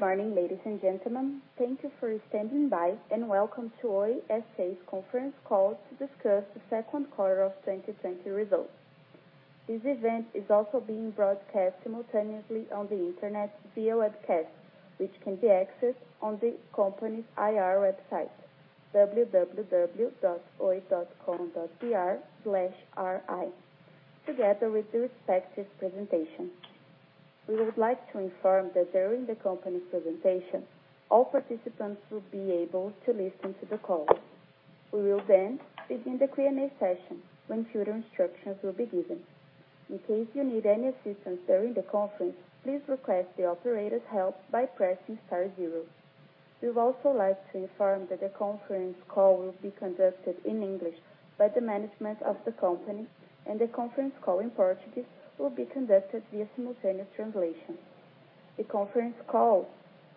Good morning, ladies and gentlemen. Thank you for standing by, and welcome to Oi S.A.'s conference call to discuss the second quarter of 2020 results. This event is also being broadcast simultaneously on the Internet via webcast, which can be accessed on the company's IR website, www.oi.com.br/ri, together with the respective presentation. We would like to inform that during the company's presentation, all participants will be able to listen to the call. We will begin the Q&A session when further instructions will be given. In case you need any assistance during the conference, please request the operator's help by pressing star zero. We would also like to inform that the conference call will be conducted in English by the management of the company, and the conference call in Portuguese will be conducted via simultaneous translation. The conference call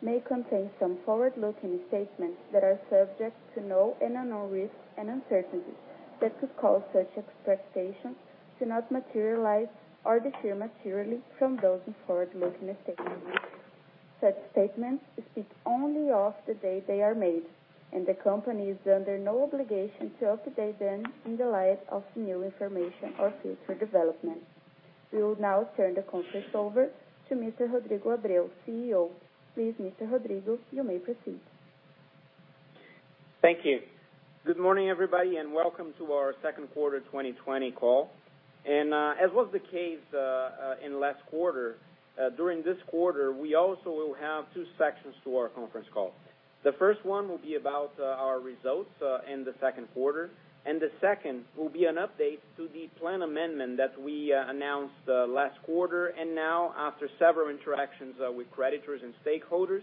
may contain some forward-looking statements that are subject to known and unknown risks and uncertainties that could cause such expectations to not materialize or differ materially from those in forward-looking statements. Such statements speak only of the day they are made, and the company is under no obligation to update them in the light of new information or future developments. We will now turn the conference over to Mr. Rodrigo Abreu, CEO. Please, Mr. Rodrigo, you may proceed. Thank you. Good morning, everybody. Welcome to our second quarter 2020 call. As was the case in last quarter, during this quarter, we also will have two sections to our conference call. The first one will be about our results in the second quarter, and the second will be an update to the plan amendment that we announced last quarter. Now, after several interactions with creditors and stakeholders,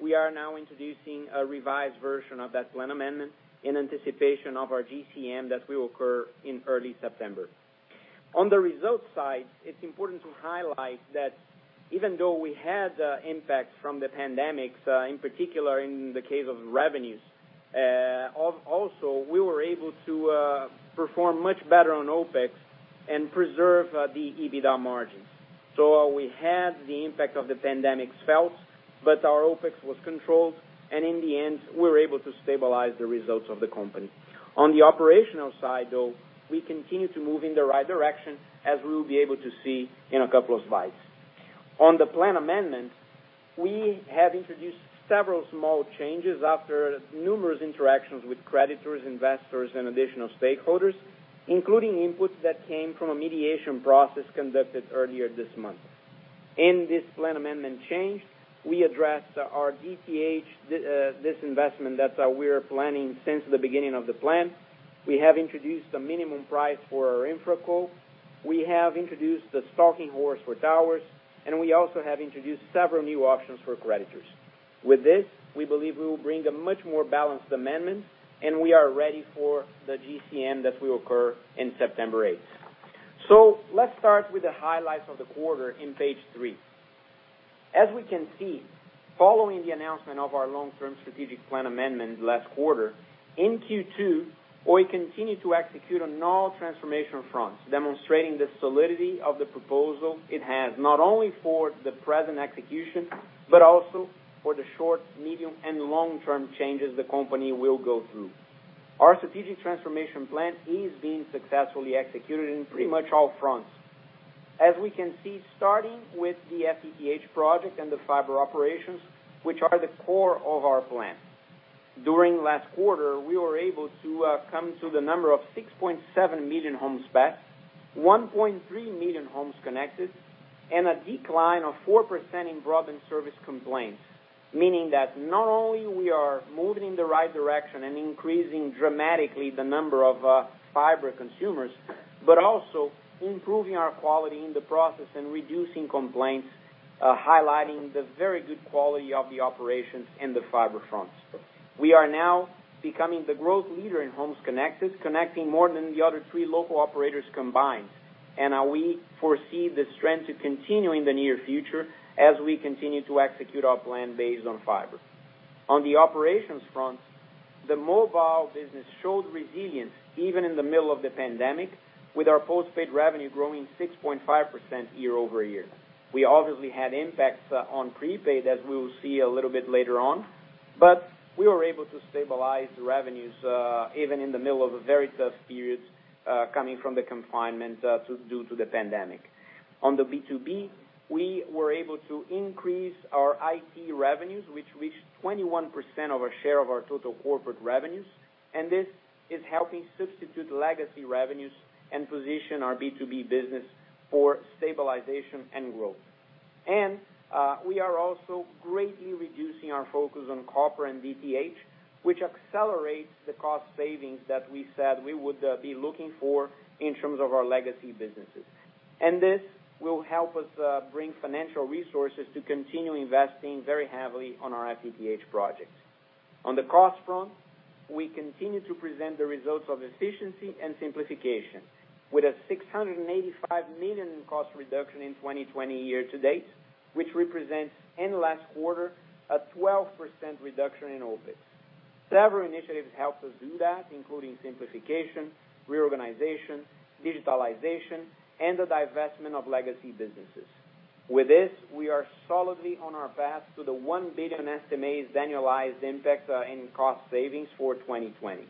we are now introducing a revised version of that plan amendment in anticipation of our GCM that will occur in early September. On the results side, it's important to highlight that even though we had impacts from the pandemic, in particular in the case of revenues, also we were able to perform much better on OpEx and preserve the EBITDA margins. We had the impact of the pandemic felt, but our OpEx was controlled, and in the end, we were able to stabilize the results of the company. On the operational side, though, we continue to move in the right direction, as we will be able to see in a couple of slides. On the plan amendment, we have introduced several small changes after numerous interactions with creditors, investors, and additional stakeholders, including inputs that came from a mediation process conducted earlier this month. In this plan amendment change, we addressed our DTH disinvestment that we are planning since the beginning of the plan. We have introduced a minimum price for our InfraCo. We have introduced the stalking horse for towers, and we also have introduced several new options for creditors. With this, we believe we will bring a much more balanced amendment. We are ready for the GCM that will occur in September 8th. Let's start with the highlights of the quarter on page three. As we can see, following the announcement of our long-term strategic plan amendment last quarter, in Q2, Oi continued to execute on all transformation fronts, demonstrating the solidity of the proposal it has, not only for the present execution, but also for the short, medium, and long-term changes the company will go through. Our strategic transformation plan is being successfully executed in pretty much all fronts. As we can see, starting with the FTTH project and the fiber operations, which are the core of our plan. During last quarter, we were able to come to the number of 6.7 million homes passed, 1.3 million homes connected, and a decline of 4% in broadband service complaints, meaning that not only we are moving in the right direction and increasing dramatically the number of fiber consumers, but also improving our quality in the process and reducing complaints, highlighting the very good quality of the operations in the fiber fronts. We are now becoming the growth leader in homes connected, connecting more than the other three local operators combined. We foresee this trend to continue in the near future as we continue to execute our plan based on fiber. On the operations front, the mobile business showed resilience even in the middle of the pandemic, with our postpaid revenue growing 6.5% year-over-year. We obviously had impacts on prepaid, as we will see a little bit later on. We were able to stabilize the revenues, even in the middle of a very tough period, coming from the confinement due to the pandemic. On the B2B, we were able to increase our IT revenues, which reached 21% of our share of our total corporate revenues, this is helping substitute legacy revenues and position our B2B business for stabilization and growth. We are also greatly reducing our focus on copper and DTH, which accelerates the cost savings that we said we would be looking for in terms of our legacy businesses. This will help us bring financial resources to continue investing very heavily on our FTTH projects. On the cost front, we continue to present the results of efficiency and simplification with a 685 million cost reduction in 2020 year-to-date, which represents in last quarter a 12% reduction in OpEx. Several initiatives help us do that, including simplification, reorganization, digitalization, and the divestment of legacy businesses. With this, we are solidly on our path to the 1 billion estimated annualized impact in cost savings for 2020.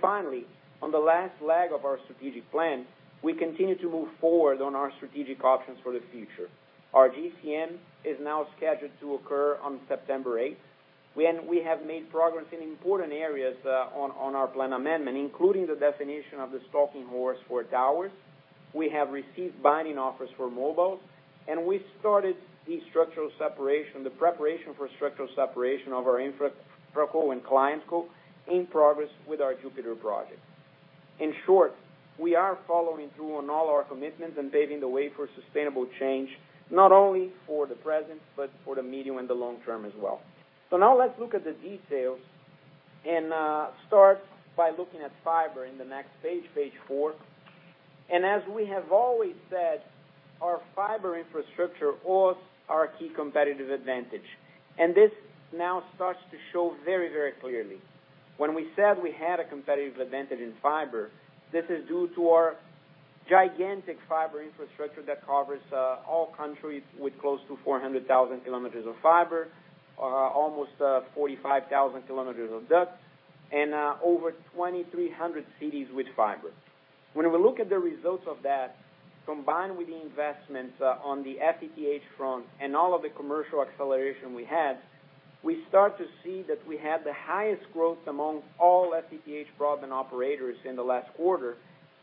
Finally, on the last leg of our strategic plan, we continue to move forward on our strategic options for the future. Our GCM is now scheduled to occur on September 8th. We have made progress in important areas on our plan amendment, including the definition of the stalking horse for towers. We have received binding offers for mobile, and we started the preparation for structural separation of our InfraCo and ClientCo in progress with our Jupiter project. In short, we are following through on all our commitments and paving the way for sustainable change, not only for the present, but for the medium and the long term as well. Now let's look at the details and start by looking at fiber in the next page four. As we have always said, our fiber infrastructure was our key competitive advantage, and this now starts to show very, very clearly. When we said we had a competitive advantage in fiber, this is due to our gigantic fiber infrastructure that covers all countries with close to 400,000 km of fiber, almost 45,000 km of ducts, and over 2,300 cities with fiber. When we look at the results of that, combined with the investments on the FTTH front and all of the commercial acceleration we had, we start to see that we had the highest growth among all FTTH broadband operators in the last quarter,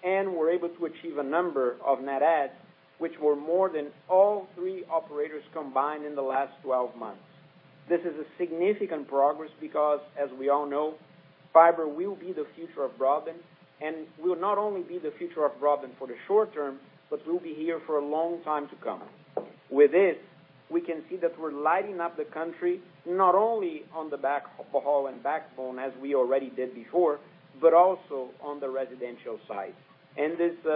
and were able to achieve a number of net adds, which were more than all three operators combined in the last 12 months. This is a significant progress because, as we all know, fiber will be the future of broadband and will not only be the future of broadband for the short term, but will be here for a long time to come. With this, we can see that we're lighting up the country not only on the backhaul and backbone, as we already did before, but also on the residential side. These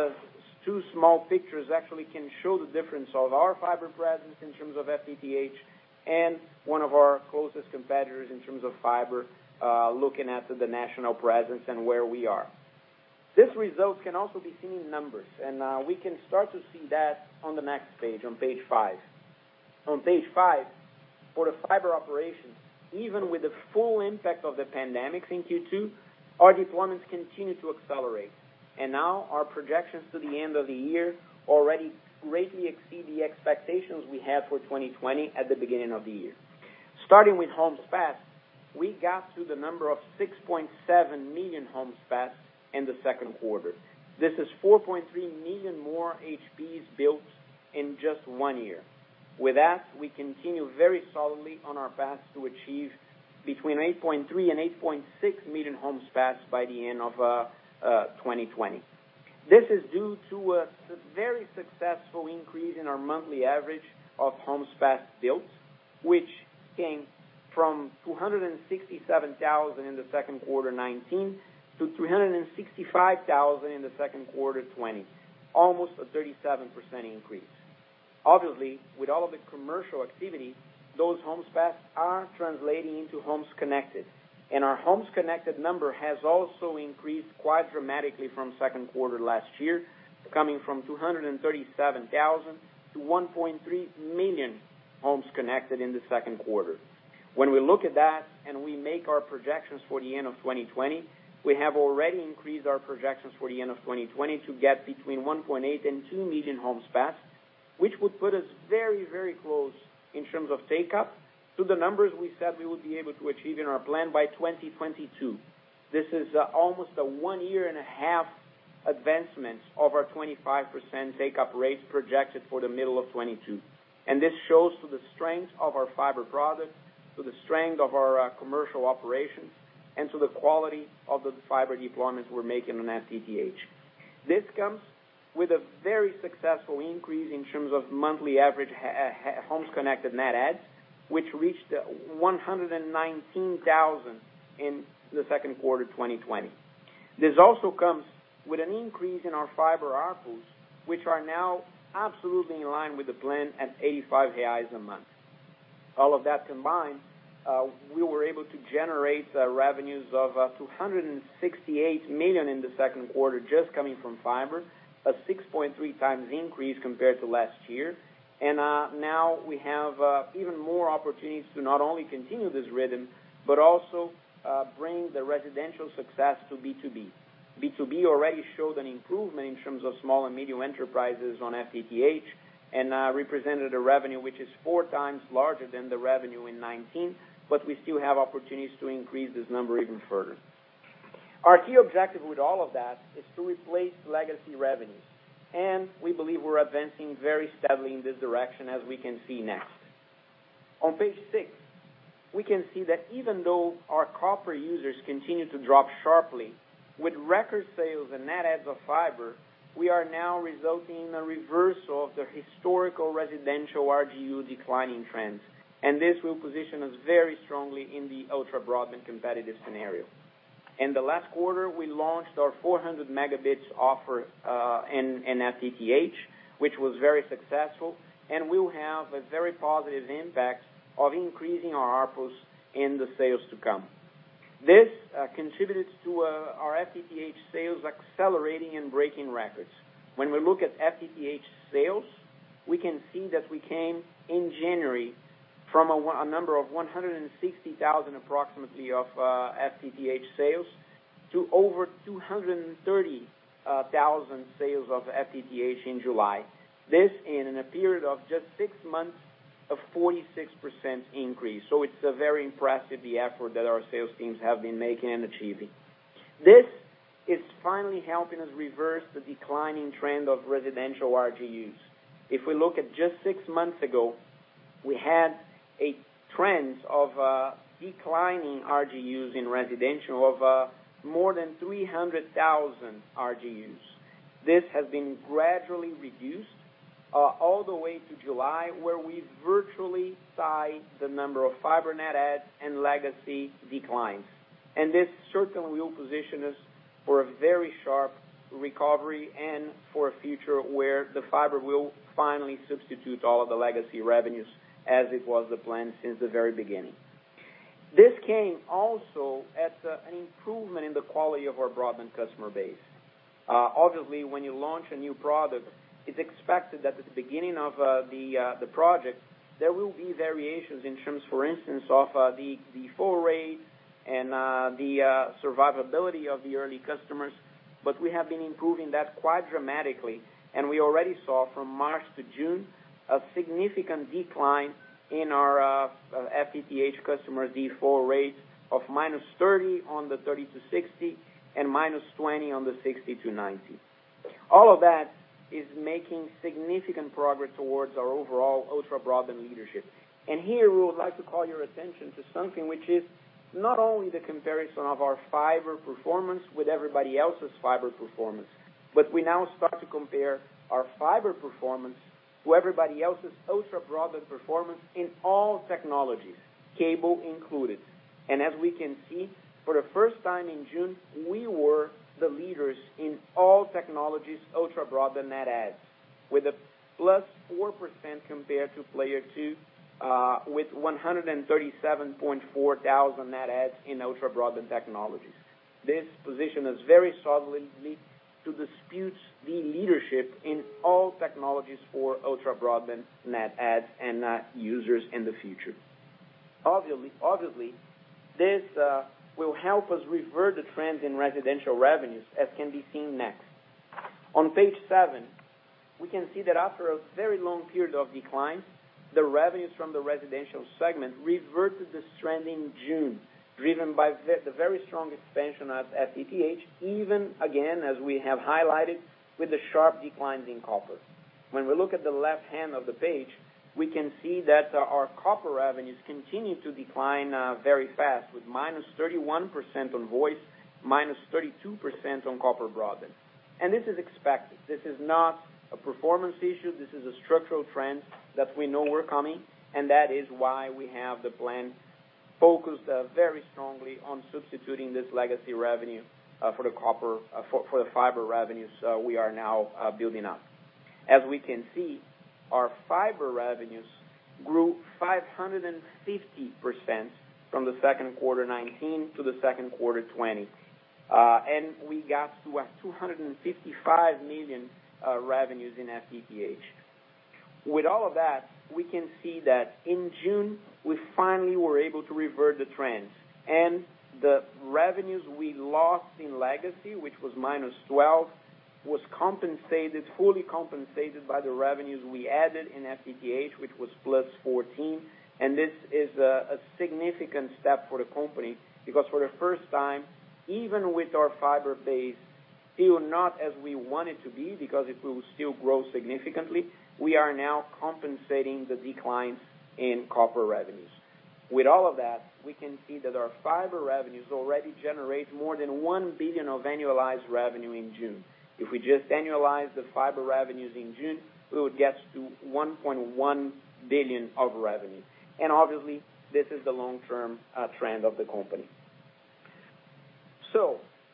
two small pictures actually can show the difference of our fiber presence in terms of FTTH and one of our closest competitors in terms of fiber, looking at the national presence and where we are. This result can also be seen in numbers, and we can start to see that on the next page, on page five. On page five, for the fiber operations, even with the full impact of the pandemic in Q2, our deployments continued to accelerate. Now our projections to the end of the year already greatly exceed the expectations we had for 2020 at the beginning of the year. Starting with homes passed, we got to the number of 6.7 million homes passed in the second quarter. This is 4.3 million more HPs built in just one year. With that, we continue very solidly on our path to achieve between 8.3 and 8.6 million homes passed by the end of 2020. This is due to a very successful increase in our monthly average of homes passed built, which came from 267,000 in the second quarter 2019 to 365,000 in the second quarter 2020. Almost a 37% increase. Obviously, with all of the commercial activity, those homes passed are translating into homes connected. Our homes connected number has also increased quite dramatically from second quarter last year, coming from 237,000 to 1.3 million homes connected in the second quarter. When we look at that and we make our projections for the end of 2020, we have already increased our projections for the end of 2020 to get between 1.8 and 2 million homes passed, which would put us very close in terms of take-up to the numbers we said we would be able to achieve in our plan by 2022. This is almost a one year and a half advancement of our 25% take-up rates projected for the middle of 2022. This shows to the strength of our fiber product, to the strength of our commercial operations, and to the quality of the fiber deployments we're making on FTTH. This comes with a very successful increase in terms of monthly average homes connected net adds, which reached 119,000 in the second quarter 2020. This also comes with an increase in our fiber ARPU, which are now absolutely in line with the plan at 85 reais a month. All of that combined, we were able to generate revenues of 268 million in the second quarter just coming from fiber, a 6.3 times increase compared to last year. Now we have even more opportunities to not only continue this rhythm, but also bring the residential success to B2B. B2B already showed an improvement in terms of small and medium enterprises on FTTH and represented a revenue which is four times larger than the revenue in 2019, we still have opportunities to increase this number even further. Our key objective with all of that is to replace legacy revenues, we believe we're advancing very steadily in this direction, as we can see next. On page six, we can see that even though our copper users continue to drop sharply, with record sales and net adds of fiber, we are now resulting in a reversal of the historical residential RGU declining trends. This will position us very strongly in the ultra-broadband competitive scenario. In the last quarter, we launched our 400 Mbps offer in FTTH, which was very successful, and will have a very positive impact of increasing our ARPU in the sales to come. This contributed to our FTTH sales accelerating and breaking records. When we look at FTTH sales, we can see that we came in January from a number of 160,000 approximately of FTTH sales, to over 230,000 sales of FTTH in July. This, in a period of just six months, a 46% increase. It's very impressive, the effort that our sales teams have been making and achieving. This is finally helping us reverse the declining trend of residential RGUs. If we look at just six months ago, we had a trend of declining RGUs in residential of more than 300,000 RGUs. This has been gradually reduced all the way to July, where we virtually tied the number of fiber net adds and legacy declines. This certainly will position us for a very sharp recovery and for a future where the fiber will finally substitute all of the legacy revenues as it was the plan since the very beginning. This came also as an improvement in the quality of our broadband customer base. Obviously, when you launch a new product, it's expected that at the beginning of the project, there will be variations in terms, for instance, of the default rate and the survivability of the early customers. We have been improving that quite dramatically, and we already saw from March to June, a significant decline in our FTTH customer default rate of -30 on the 30 to 60, and -20 on the 60 to 90. All of that is making significant progress towards our overall ultra-broadband leadership. Here, we would like to call your attention to something which is not only the comparison of our fiber performance with everybody else's fiber performance, but we now start to compare our fiber performance to everybody else's ultra-broadband performance in all technologies, cable included. As we can see, for the first time in June, we were the leaders in all technologies ultra-broadband net adds, with a +4% compared to player two, with 137,400 net adds in ultra-broadband technologies. This position is very solidly to dispute the leadership in all technologies for ultra-broadband net adds and users in the future. Obviously, this will help us revert the trend in residential revenues, as can be seen next. On page seven, we can see that after a very long period of decline, the revenues from the residential segment reverted this trend in June, driven by the very strong expansion of FTTH, even, again, as we have highlighted, with the sharp declines in copper. When we look at the left hand of the page, we can see that our copper revenues continue to decline very fast, with -31% on voice, -32% on copper broadband. This is expected. This is not a performance issue. This is a structural trend that we know we're coming, and that is why we have the plan focused very strongly on substituting this legacy revenue for the fiber revenues we are now building up. As we can see, our fiber revenues grew 550% from the second quarter 2019 to the second quarter 2020. We got to a 255 million revenues in FTTH. With all of that, we can see that in June, we finally were able to revert the trend, and the revenues we lost in legacy, which was -12, was fully compensated by the revenues we added in FTTH, which was +14, and this is a significant step for the company. For the first time, even with our fiber base still not as we want it to be, because it will still grow significantly, we are now compensating the declines in copper revenues. With all of that, we can see that our fiber revenues already generate more than 1 billion of annualized revenue in June. If we just annualize the fiber revenues in June, we would get to 1.1 billion of revenue. Obviously, this is the long-term trend of the company.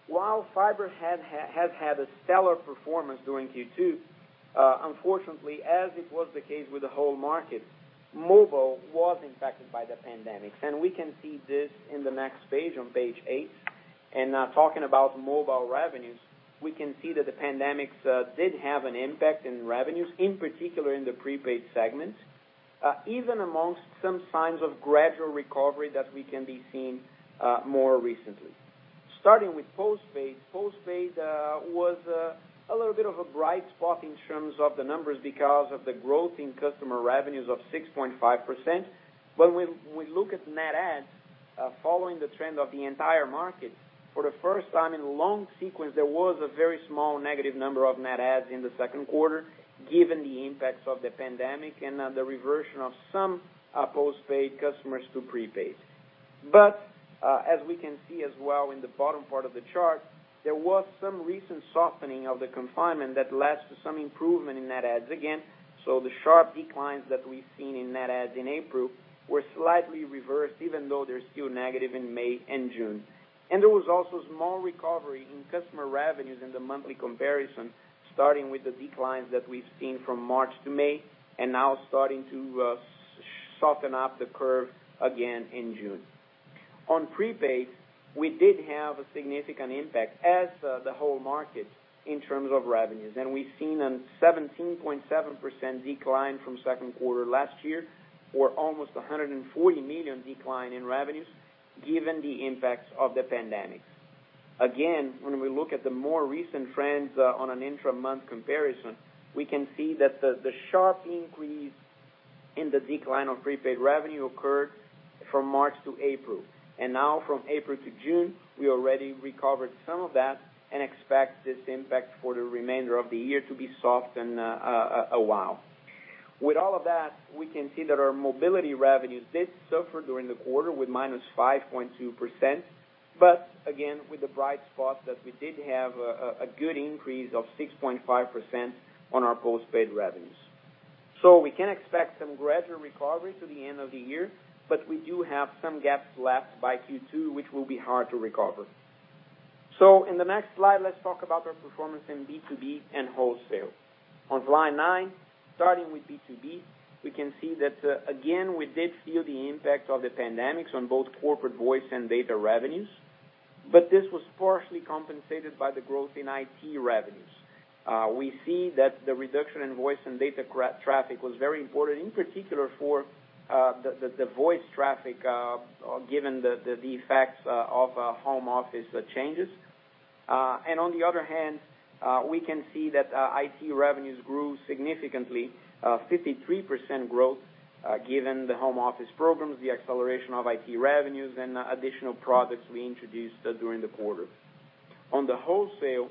While fiber has had a stellar performance during Q2, unfortunately, as it was the case with the whole market, mobile was impacted by the pandemic. We can see this in the next page, on page eight. Talking about mobile revenues, we can see that the pandemic did have an impact in revenues, in particular in the prepaid segment, even among some signs of gradual recovery that we can be seeing more recently. Starting with postpaid. Postpaid was a little bit of a bright spot in terms of the numbers because of the growth in customer revenues of 6.5%. When we look at net adds, following the trend of the entire market, for the first time in a long sequence, there was a very small negative number of net adds in the second quarter, given the impacts of the pandemic and the reversion of some postpaid customers to prepaid. As we can see as well in the bottom part of the chart. There was some recent softening of the confinement that led to some improvement in net adds again. The sharp declines that we've seen in net adds in April were slightly reversed, even though they're still negative in May and June. There was also small recovery in customer revenues in the monthly comparison, starting with the declines that we've seen from March to May, and now starting to soften up the curve again in June. On prepaid, we did have a significant impact as the whole market in terms of revenues. We've seen a 17.7% decline from second quarter last year or almost 140 million decline in revenues, given the impacts of the pandemic. When we look at the more recent trends on an intra-month comparison, we can see that the sharp increase in the decline of prepaid revenue occurred from March to April. Now from April to June, we already recovered some of that and expect this impact for the remainder of the year to be soft in a while. With all of that, we can see that our mobility revenues did suffer during the quarter with -5.2%, but again, with the bright spot that we did have a good increase of 6.5% on our postpaid revenues. We can expect some gradual recovery to the end of the year, but we do have some gaps left by Q2, which will be hard to recover. In the next slide, let's talk about our performance in B2B and wholesale. On slide nine, starting with B2B, we can see that, again, we did feel the impact of the pandemic on both corporate voice and data revenues, but this was partially compensated by the growth in IT revenues. We see that the reduction in voice and data traffic was very important, in particular for the voice traffic, given the effects of home office changes. On the other hand, we can see that IT revenues grew significantly, 53% growth, given the home office programs, the acceleration of IT revenues, and additional products we introduced during the quarter. On the wholesale,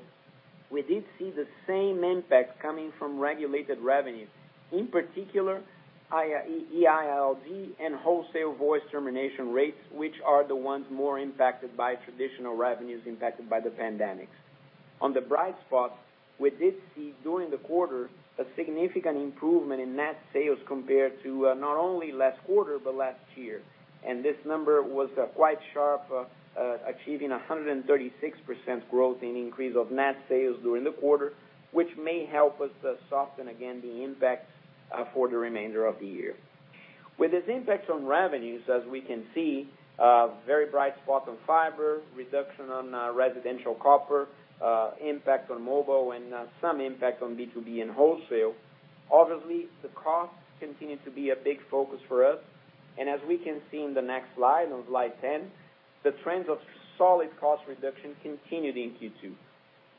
we did see the same impact coming from regulated revenues, in particular EILD and wholesale voice termination rates, which are the ones more impacted by traditional revenues impacted by the pandemic. On the bright spot, we did see during the quarter a significant improvement in net sales compared to not only last quarter, but last year. This number was quite sharp, achieving 136% growth in increase of net sales during the quarter, which may help us to soften again the impact for the remainder of the year. With this impact on revenues, as we can see, a very bright spot on fiber, reduction on residential copper, impact on mobile, and some impact on B2B and wholesale. Obviously, the costs continue to be a big focus for us. As we can see in the next slide, on slide 10, the trends of solid cost reduction continued in Q2.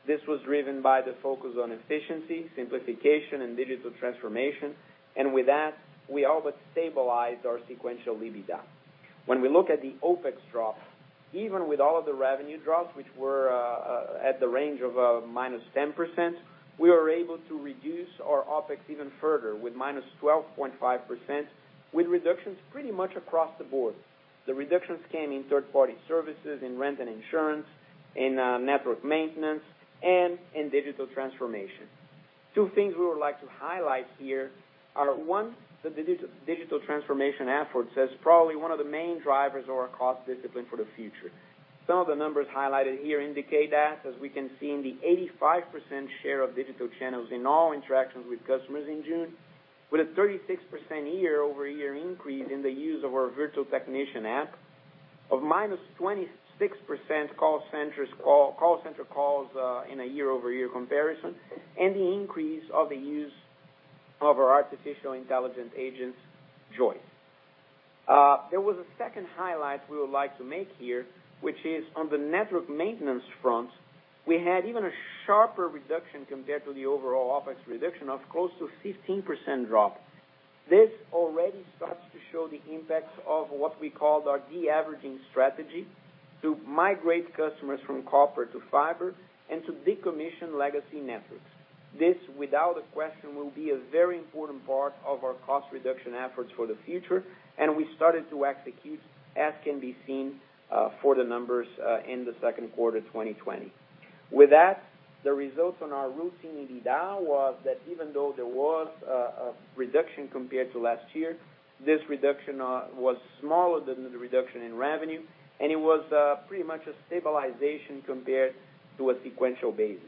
This was driven by the focus on efficiency, simplification, and digital transformation. With that, we all but stabilized our sequential EBITDA. When we look at the OpEx drop, even with all of the revenue drops, which were at the range of minus 10%, we were able to reduce our OpEx even further with minus 12.5%, with reductions pretty much across the board. The reductions came in third-party services, in rent and insurance, in network maintenance, and in digital transformation. Two things we would like to highlight here are, one, the digital transformation efforts as probably one of the main drivers of our cost discipline for the future. Some of the numbers highlighted here indicate that, as we can see in the 85% share of digital channels in all interactions with customers in June, with a 36% year-over-year increase in the use of our virtual technician app, of -26% call center calls in a year-over-year comparison, and the increase of the use of our artificial intelligence agent, Joice. There was a second highlight we would like to make here, which is on the network maintenance front, we had even a sharper reduction compared to the overall OpEx reduction of close to 15% drop. This already starts to show the impacts of what we call our de-averaging strategy to migrate customers from copper to fiber and to decommission legacy networks. This, without a question, will be a very important part of our cost reduction efforts for the future, and we started to execute, as can be seen for the numbers in the second quarter 2020. With that, the results on our routine EBITDA was that even though there was a reduction compared to last year, this reduction was smaller than the reduction in revenue, and it was pretty much a stabilization compared to a sequential basis.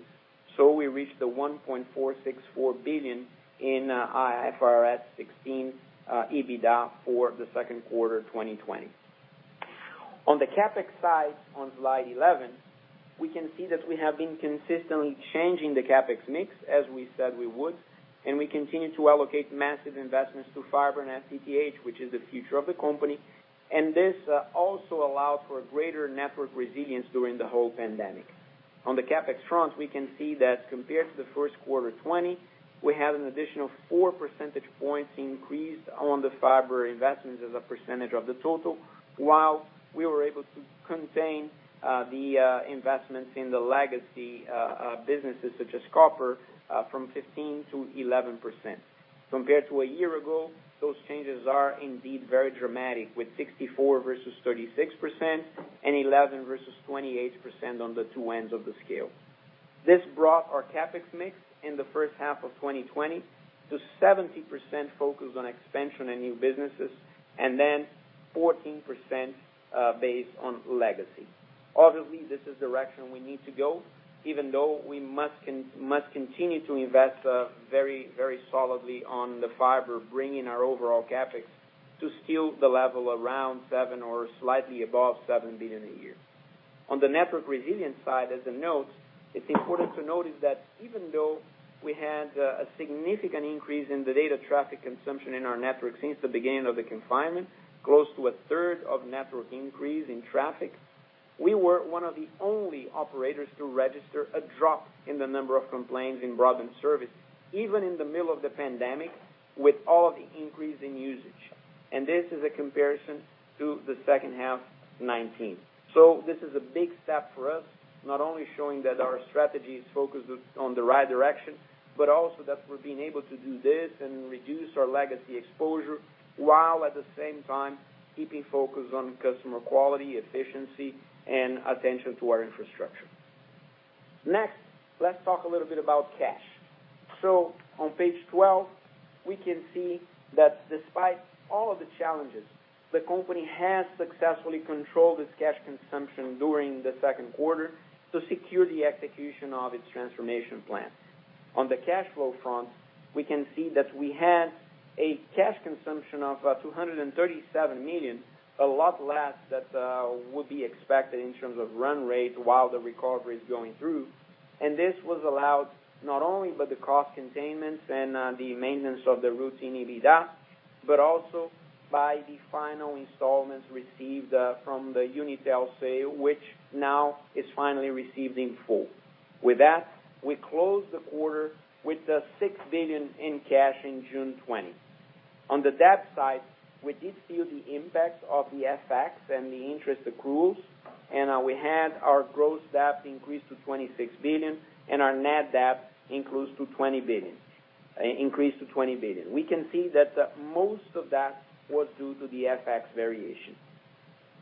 We reached the 1.464 billion in IFRS 16 EBITDA for the second quarter 2020. On the CapEx side, on slide 11, we can see that we have been consistently changing the CapEx mix, as we said we would, and we continue to allocate massive investments to fiber and FTTH, which is the future of the company. This also allows for greater network resilience during the whole pandemic. On the CapEx front, we can see that compared to the first quarter 2020, we had an additional four percentage points increase on the fiber investments as a percentage of the total, while we were able to contain the investments in the legacy businesses, such as copper, from 15%-11%. Compared to a year ago, those changes are indeed very dramatic, with 64% versus 36%, and 11% versus 28% on the two ends of the scale. This brought our CapEx mix in the first half of 2020 to 70% focused on expansion and new businesses, and then 14% based on legacy. Obviously, this is the direction we need to go, even though we must continue to invest very solidly on the fiber, bringing our overall CapEx to still the level around 7 billion or slightly above 7 billion a year. On the network resilience side, as a note, it is important to notice that even though we had a significant increase in the data traffic consumption in our network since the beginning of the confinement, close to a third of network increase in traffic, we were one of the only operators to register a drop in the number of complaints in broadband service, even in the middle of the pandemic with all of the increase in usage. This is a comparison to the second half 2019. This is a big step for us, not only showing that our strategy is focused on the right direction, but also that we are being able to do this and reduce our legacy exposure while at the same time keeping focus on customer quality, efficiency, and attention to our infrastructure. Next, let's talk a little bit about cash. On page 12, we can see that despite all of the challenges, the company has successfully controlled its cash consumption during the second quarter to secure the execution of its transformation plan. On the cash flow front, we can see that we had a cash consumption of 237 million, a lot less that would be expected in terms of run rate while the recovery is going through. This was allowed not only by the cost containments and the maintenance of the routine EBITDA, but also by the final installments received from the Unitel sale, which now is finally received in full. With that, we closed the quarter with 6 billion in cash in June 2020. On the debt side, we did feel the impact of the FX and the interest accruals. We had our gross debt increase to 26 billion, and our net debt increase to 20 billion. We can see that most of that was due to the FX variation.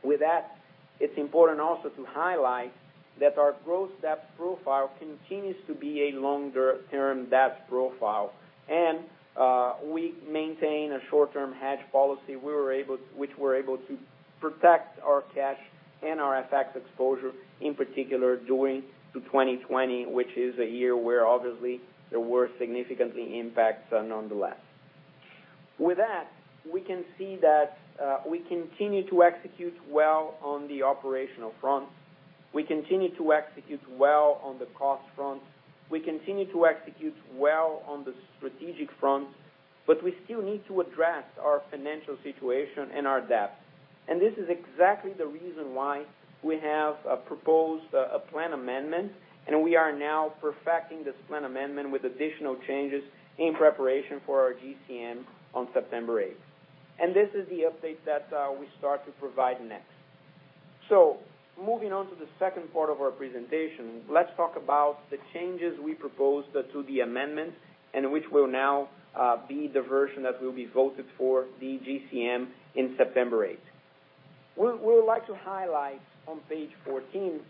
With that, it's important also to highlight that our gross debt profile continues to be a longer-term debt profile. We maintain a short-term hedge policy, which we're able to protect our cash and our FX exposure, in particular during to 2020, which is a year where obviously there were significant impacts nonetheless. With that, we can see that we continue to execute well on the operational front. We continue to execute well on the cost front. We continue to execute well on the strategic front. We still need to address our financial situation and our debt. This is exactly the reason why we have proposed a plan amendment, and we are now perfecting this plan amendment with additional changes in preparation for our GCM on September 8th. This is the update that we start to provide next. Moving on to the second part of our presentation, let's talk about the changes we proposed to the amendment and which will now be the version that will be voted for the GCM in September 8th. We would like to highlight on page 14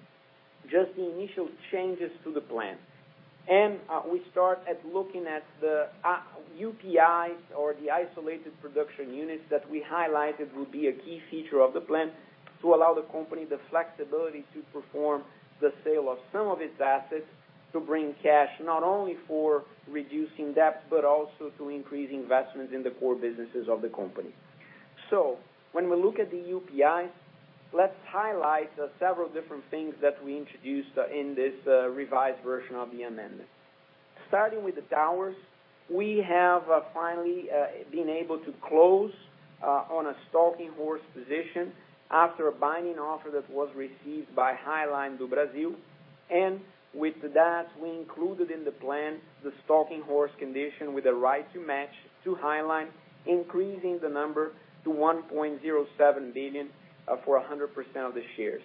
just the initial changes to the plan. We start at looking at the UPIs or the isolated production units that we highlighted would be a key feature of the plan to allow the company the flexibility to perform the sale of some of its assets to bring cash, not only for reducing debt, but also to increase investments in the core businesses of the company. When we look at the UPIs, let's highlight several different things that we introduced in this revised version of the amendment. Starting with the towers, we have finally been able to close on a stalking horse position after a binding offer that was received by Highline do Brasil. With that, we included in the plan the stalking horse condition with the right to match to Highline, increasing the number to 1.07 billion for 100% of the shares.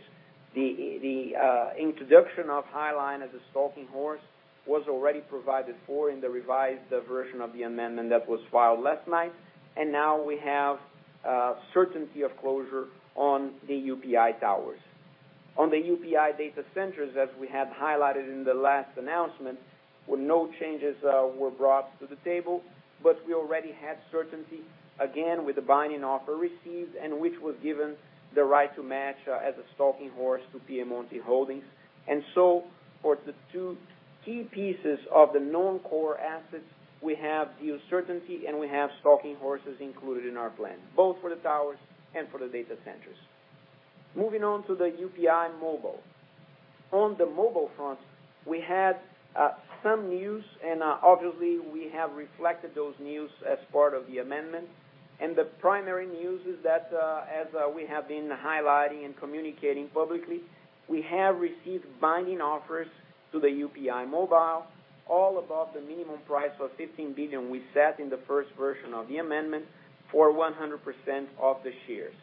The introduction of Highline as a stalking horse was already provided for in the revised version of the amendment that was filed last night. Now we have certainty of closure on the UPI towers. On the UPI data centers, as we had highlighted in the last announcement, no changes were brought to the table, but we already had certainty, again, with the binding offer received, and which was given the right to match as a stalking horse to Piemonte Holdings. For the two key pieces of the non-core assets, we have the uncertainty, and we have stalking horses included in our plan, both for the towers and for the data centers. Moving on to the UPI mobile. On the mobile front, we had some news, and obviously, we have reflected those news as part of the amendment. The primary news is that, as we have been highlighting and communicating publicly, we have received binding offers to the UPI Mobile, all above the minimum price of 15 billion we set in the first version of the amendment for 100% of the shares.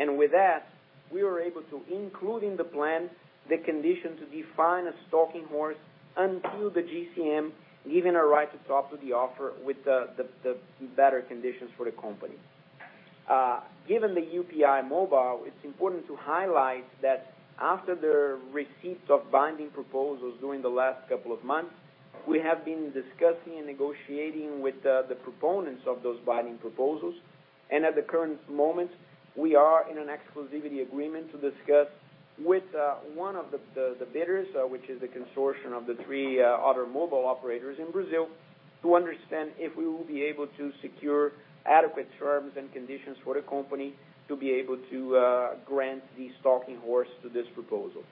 With that, we were able to include in the plan the condition to define a stalking horse until the GCM giving a right to top to the offer with the better conditions for the company. Given the UPI Mobile, it's important to highlight that after the receipts of binding proposals during the last couple of months, we have been discussing and negotiating with the proponents of those binding proposals. At the current moment, we are in an exclusivity agreement to discuss with one of the bidders, which is the consortium of the three other mobile operators in Brazil, to understand if we will be able to secure adequate terms and conditions for the company to be able to grant this stalking horse to this proposal.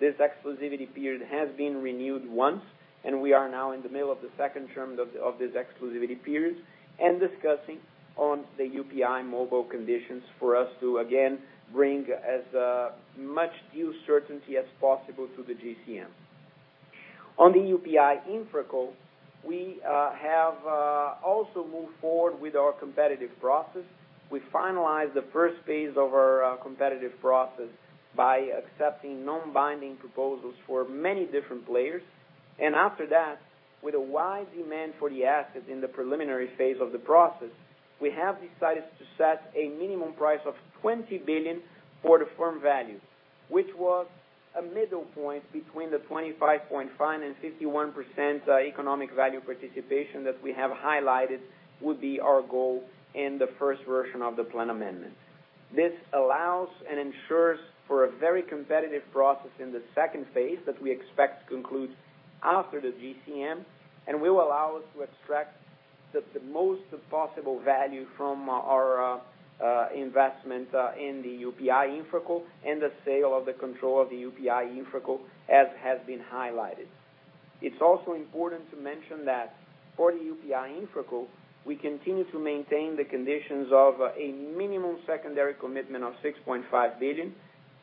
This exclusivity period has been renewed once, and we are now in the middle of the second term of this exclusivity period and discussing on the UPI mobile conditions for us to, again, bring as much view certainty as possible to the GCM. On the UPI InfraCo, we have also moved forward with our competitive process. We finalized the first phase of our competitive process by accepting non-binding proposals for many different players. After that, with a wide demand for the assets in the preliminary phase of the process, we have decided to set a minimum price of 20 billion for the firm value, which was a middle point between the 25.5% and 51% economic value participation that we have highlighted would be our goal in the first version of the plan amendment. This allows and ensures for a very competitive process in the second phase that we expect to conclude after the GCM and will allow us to extract the most possible value from our investment in the UPI InfraCo and the sale of the control of the UPI InfraCo, as has been highlighted. It's also important to mention that for the UPI InfraCo, we continue to maintain the conditions of a minimum secondary commitment of 6.5 billion,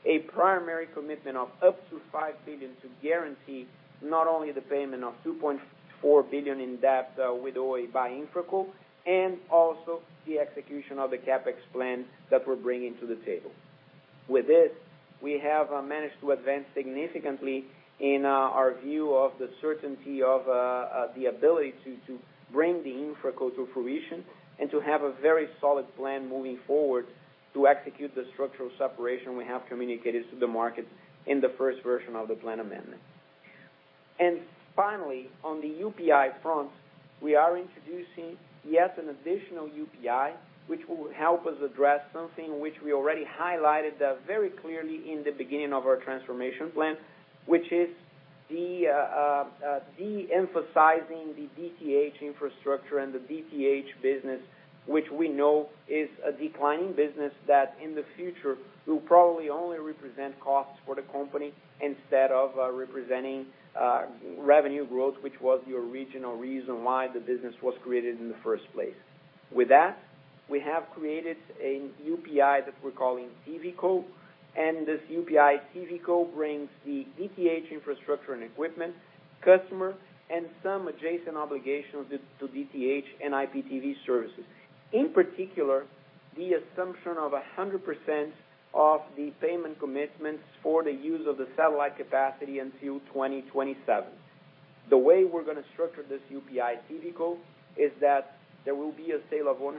a primary commitment of up to 5 billion to guarantee not only the payment of 2.4 billion in debt with Oi by InfraCo, and also the execution of the CapEx plan that we're bringing to the table. With this, we have managed to advance significantly in our view of the certainty of the ability to bring the InfraCo to fruition and to have a very solid plan moving forward to execute the structural separation we have communicated to the market in the first version of the plan amendment. Finally, on the UPI front, we are introducing yet an additional UPI, which will help us address something which we already highlighted very clearly in the beginning of our transformation plan, which is de-emphasizing the DTH infrastructure and the DTH business, which we know is a declining business that in the future will probably only represent costs for the company instead of representing revenue growth, which was your original reason why the business was created in the first place. With that, we have created a UPI that we're calling TVCo, and this UPI TVCo brings the DTH infrastructure and equipment, customer, and some adjacent obligations to DTH and IPTV services, in particular, the assumption of 100% of the payment commitments for the use of the satellite capacity until 2027. The way we're going to structure this UPI TVCo is that there will be a sale of 100%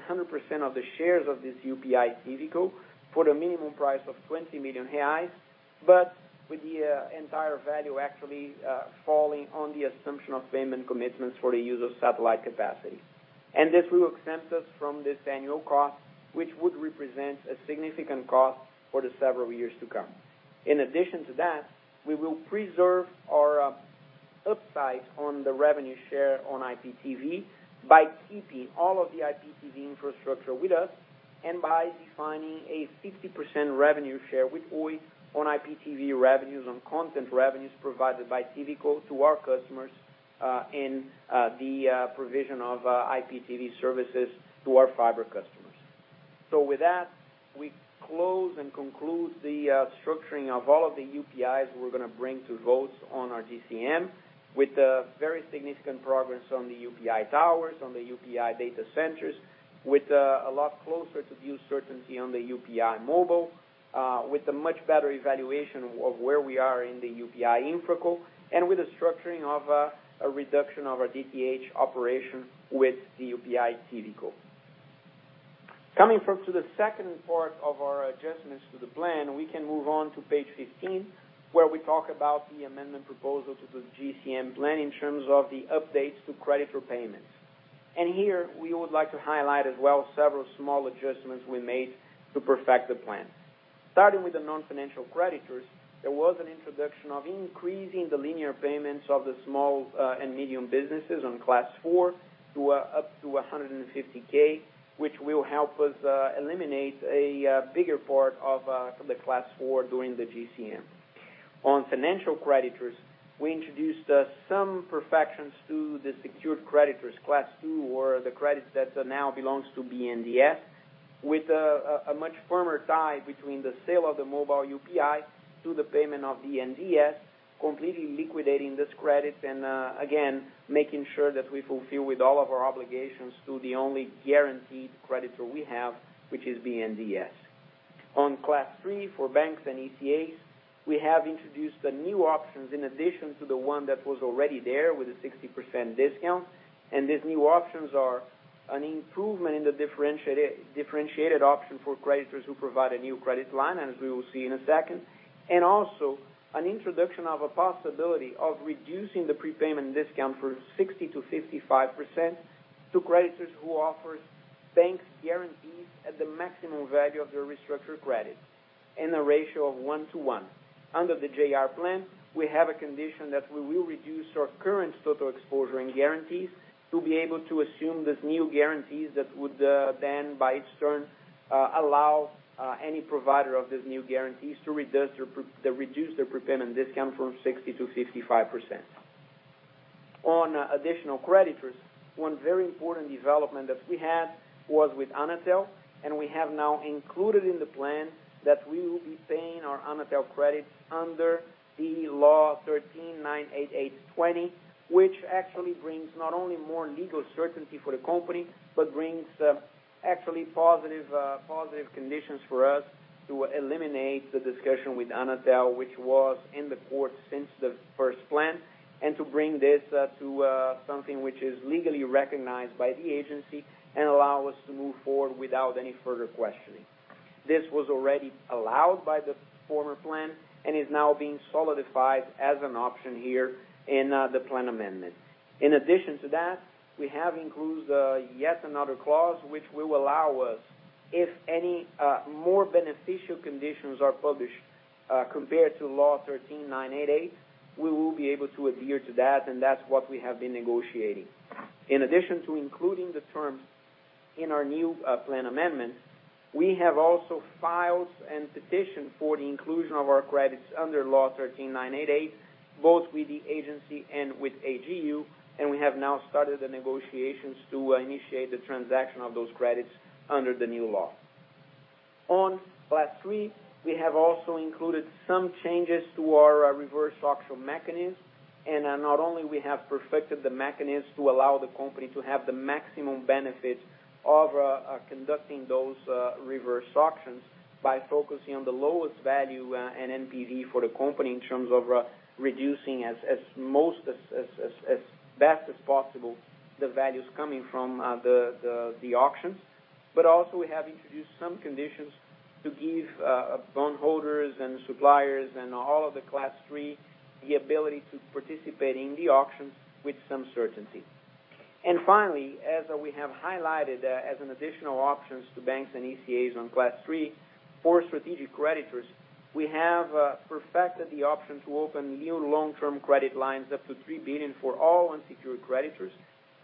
of the shares of this UPI TVCo for the minimum price of 20 million reais, but with the entire value actually falling on the assumption of payment commitments for the use of satellite capacity. This will exempt us from this annual cost, which would represent a significant cost for the several years to come. In addition to that, we will preserve our upside on the revenue share on IPTV by keeping all of the IPTV infrastructure with us and by defining a 50% revenue share with Oi on IPTV revenues, on content revenues provided by TVCo to our customers in the provision of IPTV services to our fiber customers. With that, we close and conclude the structuring of all of the UPIs we're going to bring to votes on our GCM with a very significant progress on the UPI towers, on the UPI data centers, with a lot closer to view certainty on the UPI Mobile, with a much better evaluation of where we are in the UPI InfraCo, and with the structuring of a reduction of our DTH operation with the UPI TVCo. Coming to the second part of our adjustments to the plan, we can move on to page 15, where we talk about the amendment proposal to the GCM plan in terms of the updates to creditor payments. Here, we would like to highlight as well several small adjustments we made to perfect the plan. Starting with the non-financial creditors, there was an introduction of increasing the linear payments of the small and medium businesses on Class 4 to up to 150K, which will help us eliminate a bigger part of the Class 4 during the GCM. On financial creditors, we introduced some perfections to the secured creditors, Class 2, or the credits that now belongs to BNDES, with a much firmer tie between the sale of the mobile UPI to the payment of BNDES, completely liquidating this credit and, again, making sure that we fulfill with all of our obligations to the only guaranteed creditor we have, which is BNDES. On Class III for banks and ECAs, we have introduced new options in addition to the one that was already there with a 60% discount. These new options are an improvement in the differentiated option for creditors who provide a new credit line, as we will see in a second, and also an introduction of a possibility of reducing the prepayment discount from 60% to 55% to creditors who offer banks guarantees at the maximum value of their restructured credit in a ratio of 1:1. Under the JR plan, we have a condition that we will reduce our current total exposure and guarantees to be able to assume these new guarantees that would then, by its turn, allow any provider of these new guarantees to reduce their prepayment discount from 60% to 55%. On additional creditors, one very important development that we had was with ANATEL, and we have now included in the plan that we will be paying our ANATEL credits under the Law 13988/2020, which actually brings not only more legal certainty for the company but brings actually positive conditions for us to eliminate the discussion with ANATEL, which was in the court since the first plan, and to bring this to something which is legally recognized by the agency and allow us to move forward without any further questioning. This was already allowed by the former plan and is now being solidified as an option here in the plan amendment. In addition to that, we have included yet another clause which will allow us, if any more beneficial conditions are published compared to Law 13988, we will be able to adhere to that, and that's what we have been negotiating. In addition to including the terms in our new plan amendment, we have also filed a petition for the inclusion of our credits under Law 13988, both with the agency and with AGU. We have now started the negotiations to initiate the transaction of those credits under the new law. On Class 3, we have also included some changes to our reverse auction mechanism. Not only have we perfected the mechanism to allow the company to have the maximum benefit of conducting those reverse auctions by focusing on the lowest value and NPV for the company in terms of reducing as best as possible the values coming from the auctions. Also, we have introduced some conditions to give bondholders and suppliers and all of the Class 3 the ability to participate in the auctions with some certainty. Finally, as we have highlighted as additional options to banks and ECAs on Class 3, for strategic creditors, we have perfected the option to open new long-term credit lines up to 3 billion for all unsecured creditors,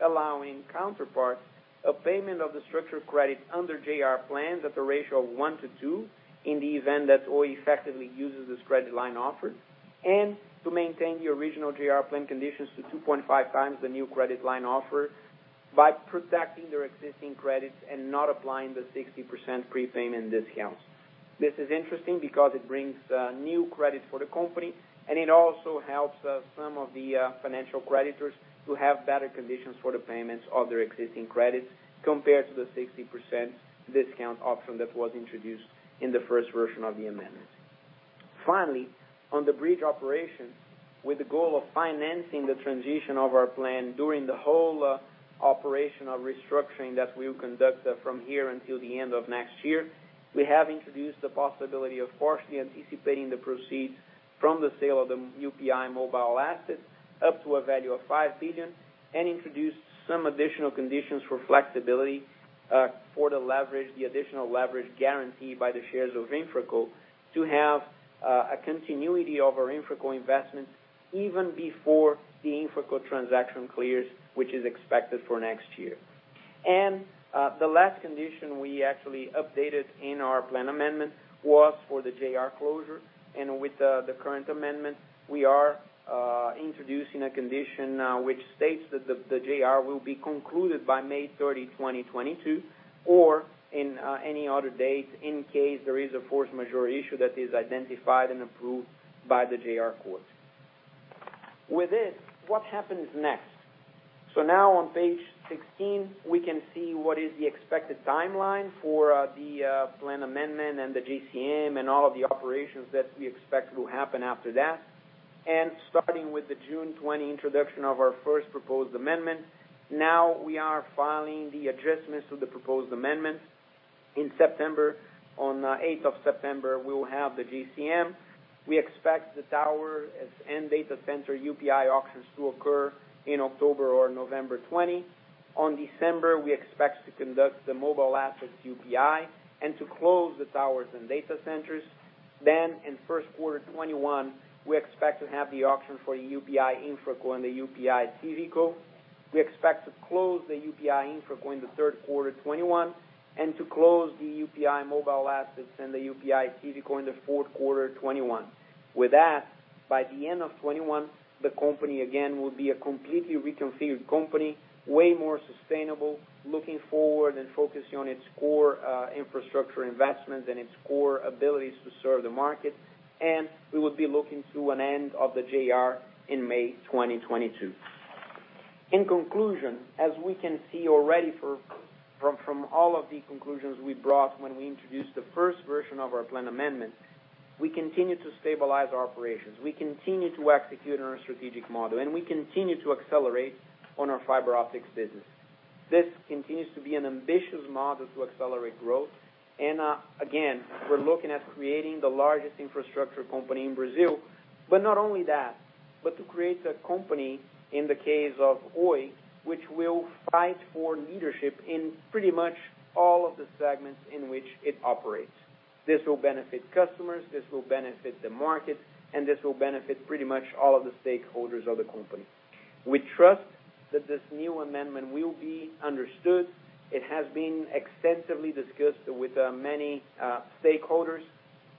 allowing counterparts a payment of the structured credit under JR plans at the ratio of 1:2 in the event that Oi effectively uses this credit line offer and to maintain the original JR plan conditions to 2.5x the new credit line offer by protecting their existing credits and not applying the 60% prepayment discount. This is interesting because it brings new credit for the company, and it also helps some of the financial creditors to have better conditions for the payments of their existing credits compared to the 60% discount option that was introduced in the first version of the amendment. Finally, on the bridge operation, with the goal of financing the transition of our plan during the whole operational restructuring that we will conduct from here until the end of next year, we have introduced the possibility of partially anticipating the proceeds from the sale of the UPI Mobile Assets up to a value of 5 billion and introduced some additional conditions for flexibility for the additional leverage guaranteed by the shares of InfraCo to have a continuity of our InfraCo investment even before the InfraCo transaction clears, which is expected for next year. The last condition we actually updated in our plan amendment was for the JR closure. With the current amendment, we are introducing a condition now which states that the JR will be concluded by May 30, 2022, or on any other date in case there is a force majeure issue that is identified and approved by the JR court. With this, what happens next? Now on page 16, we can see what is the expected timeline for the plan amendment and the GCM and all of the operations that we expect will happen after that. Starting with the June 20 introduction of our first proposed amendment, now we are filing the adjustments to the proposed amendment. In September, on the 8th of September, we will have the GCM. We expect the tower and data center UPI auctions to occur in October or November 20. On December, we expect to conduct the mobile assets UPI and to close the towers and data centers. In the first quarter of 2021, we expect to have the auction for the UPI InfraCo and the UPI TVCo. We expect to close the UPI InfraCo in the third quarter of 2021 and to close the UPI Mobile Assets and the UPI TVCo in the fourth quarter of 2021. By the end of 2021, the company again will be a completely reconfigured company, way more sustainable, looking forward and focusing on its core infrastructure investments and its core abilities to serve the market. We will be looking to an end of the JR in May 2022. In conclusion, as we can see already from all of the conclusions we brought when we introduced the first version of our plan amendment, we continue to stabilize our operations. We continue to execute on our strategic model, and we continue to accelerate on our fiber optics business. This continues to be an ambitious model to accelerate growth. Again, we're looking at creating the largest infrastructure company in Brazil. Not only that, but to create a company in the case of Oi, which will fight for leadership in pretty much all of the segments in which it operates. This will benefit customers, this will benefit the market, and this will benefit pretty much all of the stakeholders of the company. We trust that this new amendment will be understood. It has been extensively discussed with many stakeholders,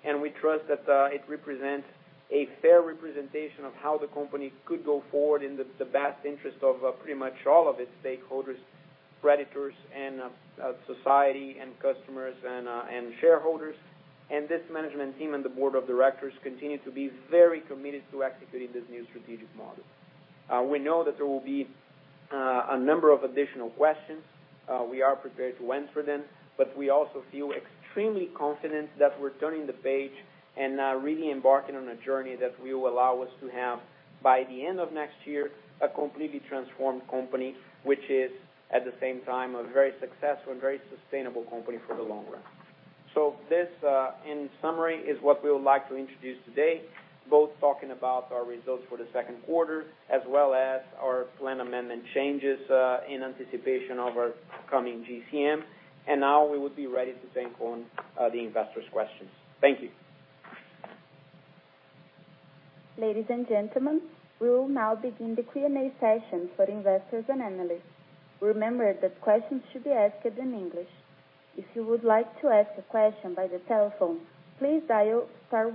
and we trust that it represents a fair representation of how the company could go forward in the best interest of pretty much all of its stakeholders, creditors, and society and customers and shareholders. This management team and the board of directors continue to be very committed to executing this new strategic model. We know that there will be a number of additional questions. We are prepared to answer them, but we also feel extremely confident that we're turning the page and really embarking on a journey that will allow us to have, by the end of next year, a completely transformed company, which is at the same time a very successful and very sustainable company for the long run. This, in summary, is what we would like to introduce today, both talking about our results for the second quarter as well as our plan amendment changes in anticipation of our upcoming GCM. Now we would be ready to take on the investors questions. Thank you. Ladies and gentlemen, we will now begin the Q&A session for investors and analysts. Remember that question should be asked in English, if you would like to ask the question by telephone please dial star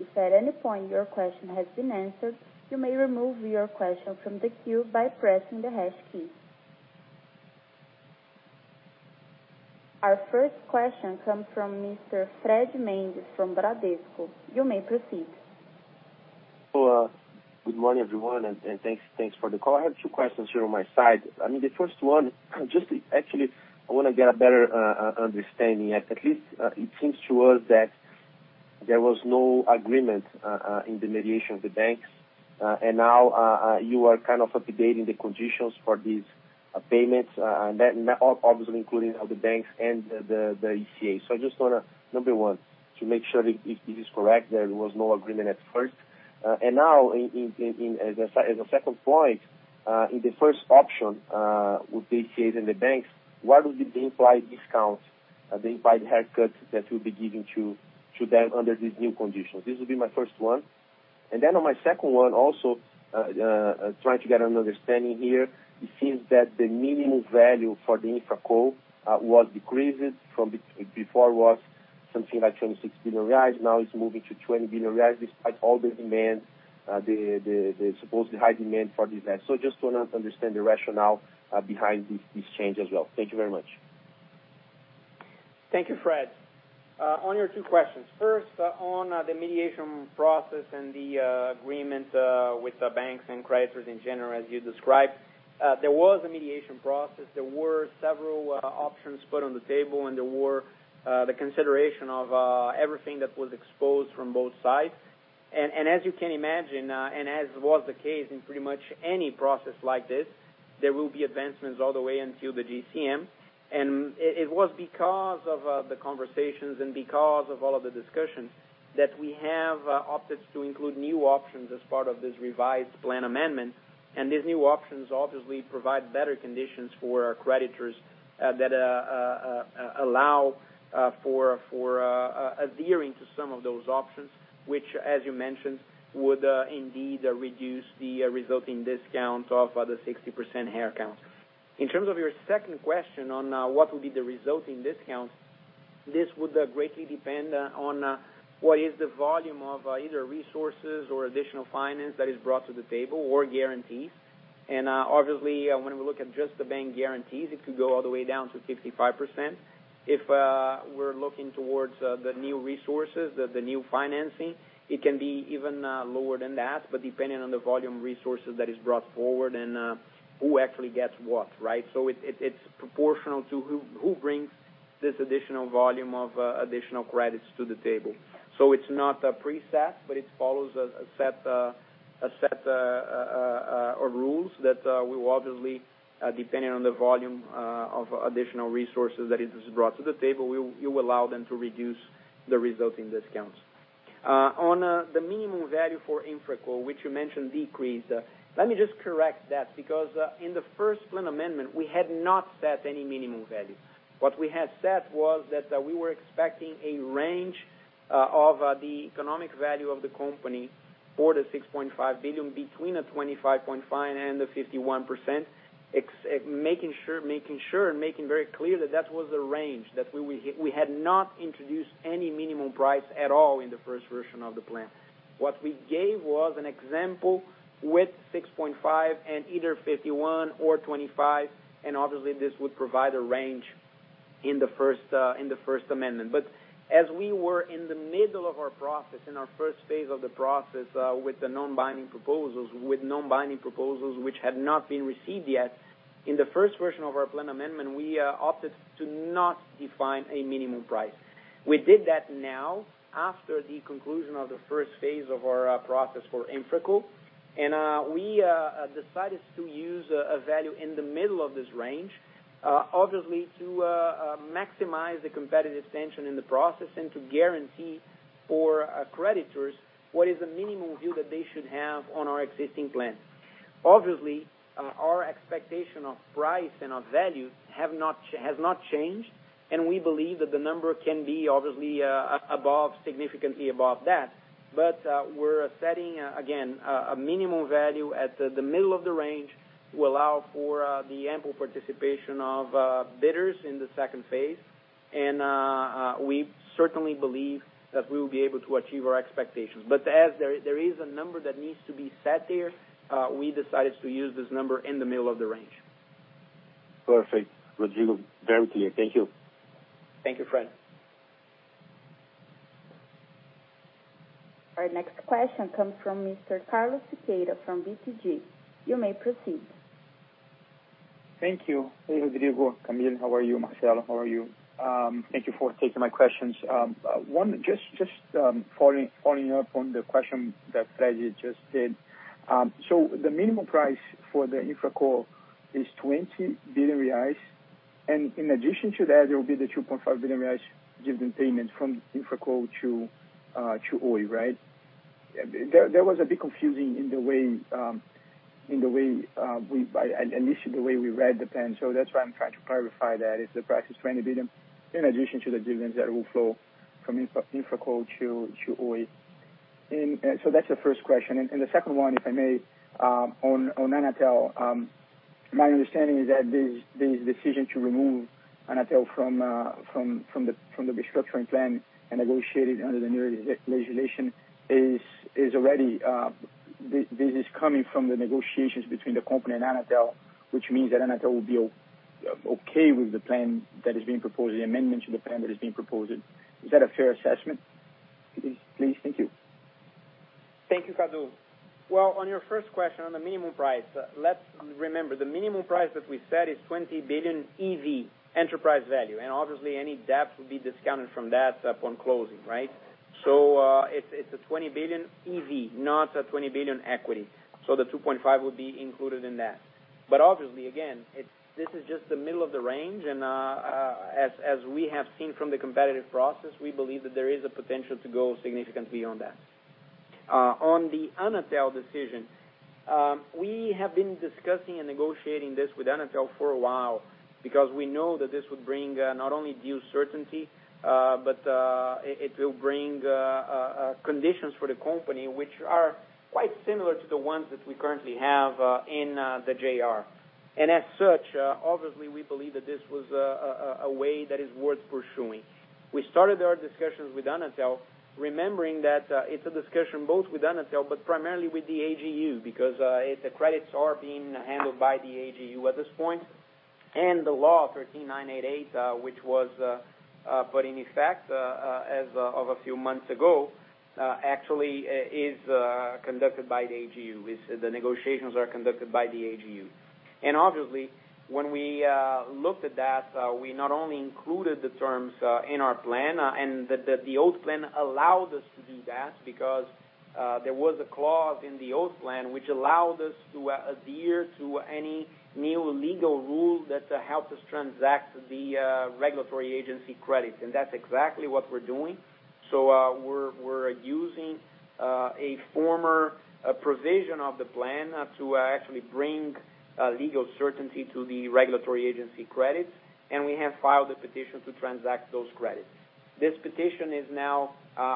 one, as any point your question has been answered. You may remove your question from the queue by pressing the hash key. Our first question comes from Mr. Fred Mendes from Bradesco. You may proceed. Good morning, everyone, and thanks for the call. I have two questions here on my side. The first one, actually, I want to get a better understanding. At least it seems to us that there was no agreement in the mediation of the banks. Now you are kind of updating the conditions for these payments, obviously including the banks and the ECA. I just want to, number one, to make sure this is correct, there was no agreement at first. Now, as a second point, in the first option with the ECA and the banks, what would be the implied discounts, the implied haircuts that we'll be giving to them under these new conditions? This will be my first one. On my second one also, trying to get an understanding here, it seems that the minimum value for the InfraCo was decreased from before was something like 26 billion reais. Now it's moving to 20 billion reais despite all the demand, the supposed high demand for these assets. Just to understand the rationale behind this change as well. Thank you very much. Thank you, Fred. On your two questions, first, on the mediation process and the agreement with the banks and creditors in general, as you described. There was a mediation process. There were several options put on the table, there were the consideration of everything that was exposed from both sides. As you can imagine, as was the case in pretty much any process like this, there will be advancements all the way until the GCM. It was because of the conversations and because of all of the discussions that we have opted to include new options as part of this revised plan amendment. These new options obviously provide better conditions for our creditors that allow for adhering to some of those options, which, as you mentioned, would indeed reduce the resulting discount of the 60% haircuts. In terms of your second question on what would be the resulting discounts, this would greatly depend on what is the volume of either resources or additional finance that is brought to the table or guarantees. Obviously, when we look at just the bank guarantees, it could go all the way down to 55%. If we're looking towards the new resources, the new financing, it can be even lower than that. Depending on the volume resources that is brought forward and who actually gets what, right? It's proportional to who brings this additional volume of additional credits to the table. It's not a preset, but it follows a set of rules that will obviously, depending on the volume of additional resources that is brought to the table, will allow them to reduce the resulting discounts. On the minimum value for InfraCo, which you mentioned decreased. Let me just correct that because, in the first plan amendment, we had not set any minimum value. What we had set was that we were expecting a range of the economic value of the company for the 6.5 billion between 25.5% and 51%, making sure and making very clear that that was the range. We had not introduced any minimum price at all in the first version of the plan. What we gave was an example with 6.5 and either 51% or 25%, and obviously, this would provide a range. In the first amendment. As we were in the middle of our process, in our first phase of the process with the non-binding proposals which had not been received yet, in the first version of our plan amendment, we opted to not define a minimum price. We did that now after the conclusion of the first phase of our process for InfraCo. We decided to use a value in the middle of this range, obviously to maximize the competitive tension in the process and to guarantee for our creditors what is the minimum view that they should have on our existing plan. Obviously, our expectation of price and of value has not changed. We believe that the number can be obviously significantly above that. We're setting, again, a minimum value at the middle of the range to allow for the ample participation of bidders in the second phase. We certainly believe that we will be able to achieve our expectations. As there is a number that needs to be set there, we decided to use this number in the middle of the range. Perfect, Rodrigo. Very clear. Thank you. Thank you, Fred. Our next question comes from Mr. Carlos Sequeira from BTG. You may proceed. Thank you. Hey, Rodrigo, Camille, how are you? Marcelo, how are you? Thank you for taking my questions. One, just following up on the question that Fred just did. The minimum price for the InfraCo is 20 billion reais, and in addition to that, there will be the 2.5 billion reais given payment from InfraCo to Oi, right? That was a bit confusing, at least the way we read the plan. That's why I'm trying to clarify that. If the price is 20 billion in addition to the dividends that will flow from InfraCo to Oi. That's the first question. The second one, if I may, on ANATEL. My understanding is that this decision to remove ANATEL from the restructuring plan and negotiate it under the new legislation, this is coming from the negotiations between the company and ANATEL, which means that ANATEL will be okay with the plan that is being proposed, the amendment to the plan that is being proposed. Is that a fair assessment? Please. Thank you. Thank you, Carlos. Well, on your first question on the minimum price, let's remember, the minimum price that we set is 20 billion EV, enterprise value. Obviously, any debt will be discounted from that upon closing, right? It's a 20 billion EV, not a 20 billion equity. The 2.5 would be included in that. Obviously, again, this is just the middle of the range, and as we have seen from the competitive process, we believe that there is a potential to go significantly on that. On the ANATEL decision. We have been discussing and negotiating this with ANATEL for a while because we know that this would bring not only due certainty, but it will bring conditions for the company, which are quite similar to the ones that we currently have in the JR. As such, obviously, we believe that this was a way that is worth pursuing. We started our discussions with ANATEL, remembering that it's a discussion both with ANATEL, but primarily with the AGU, because its credits are being handled by the AGU at this point. The Law 13988/2020, which was put in effect as of a few months ago, actually is conducted by the AGU. The negotiations are conducted by the AGU. Obviously, when we looked at that, we not only included the terms in our plan and that the old plan allowed us to do that because there was a clause in the old plan which allowed us to adhere to any new legal rule that helps us transact the regulatory agency credit. That's exactly what we're doing. We're using a former provision of the plan to actually bring legal certainty to the regulatory agency credits, and we have filed a petition to transact those credits. This petition is now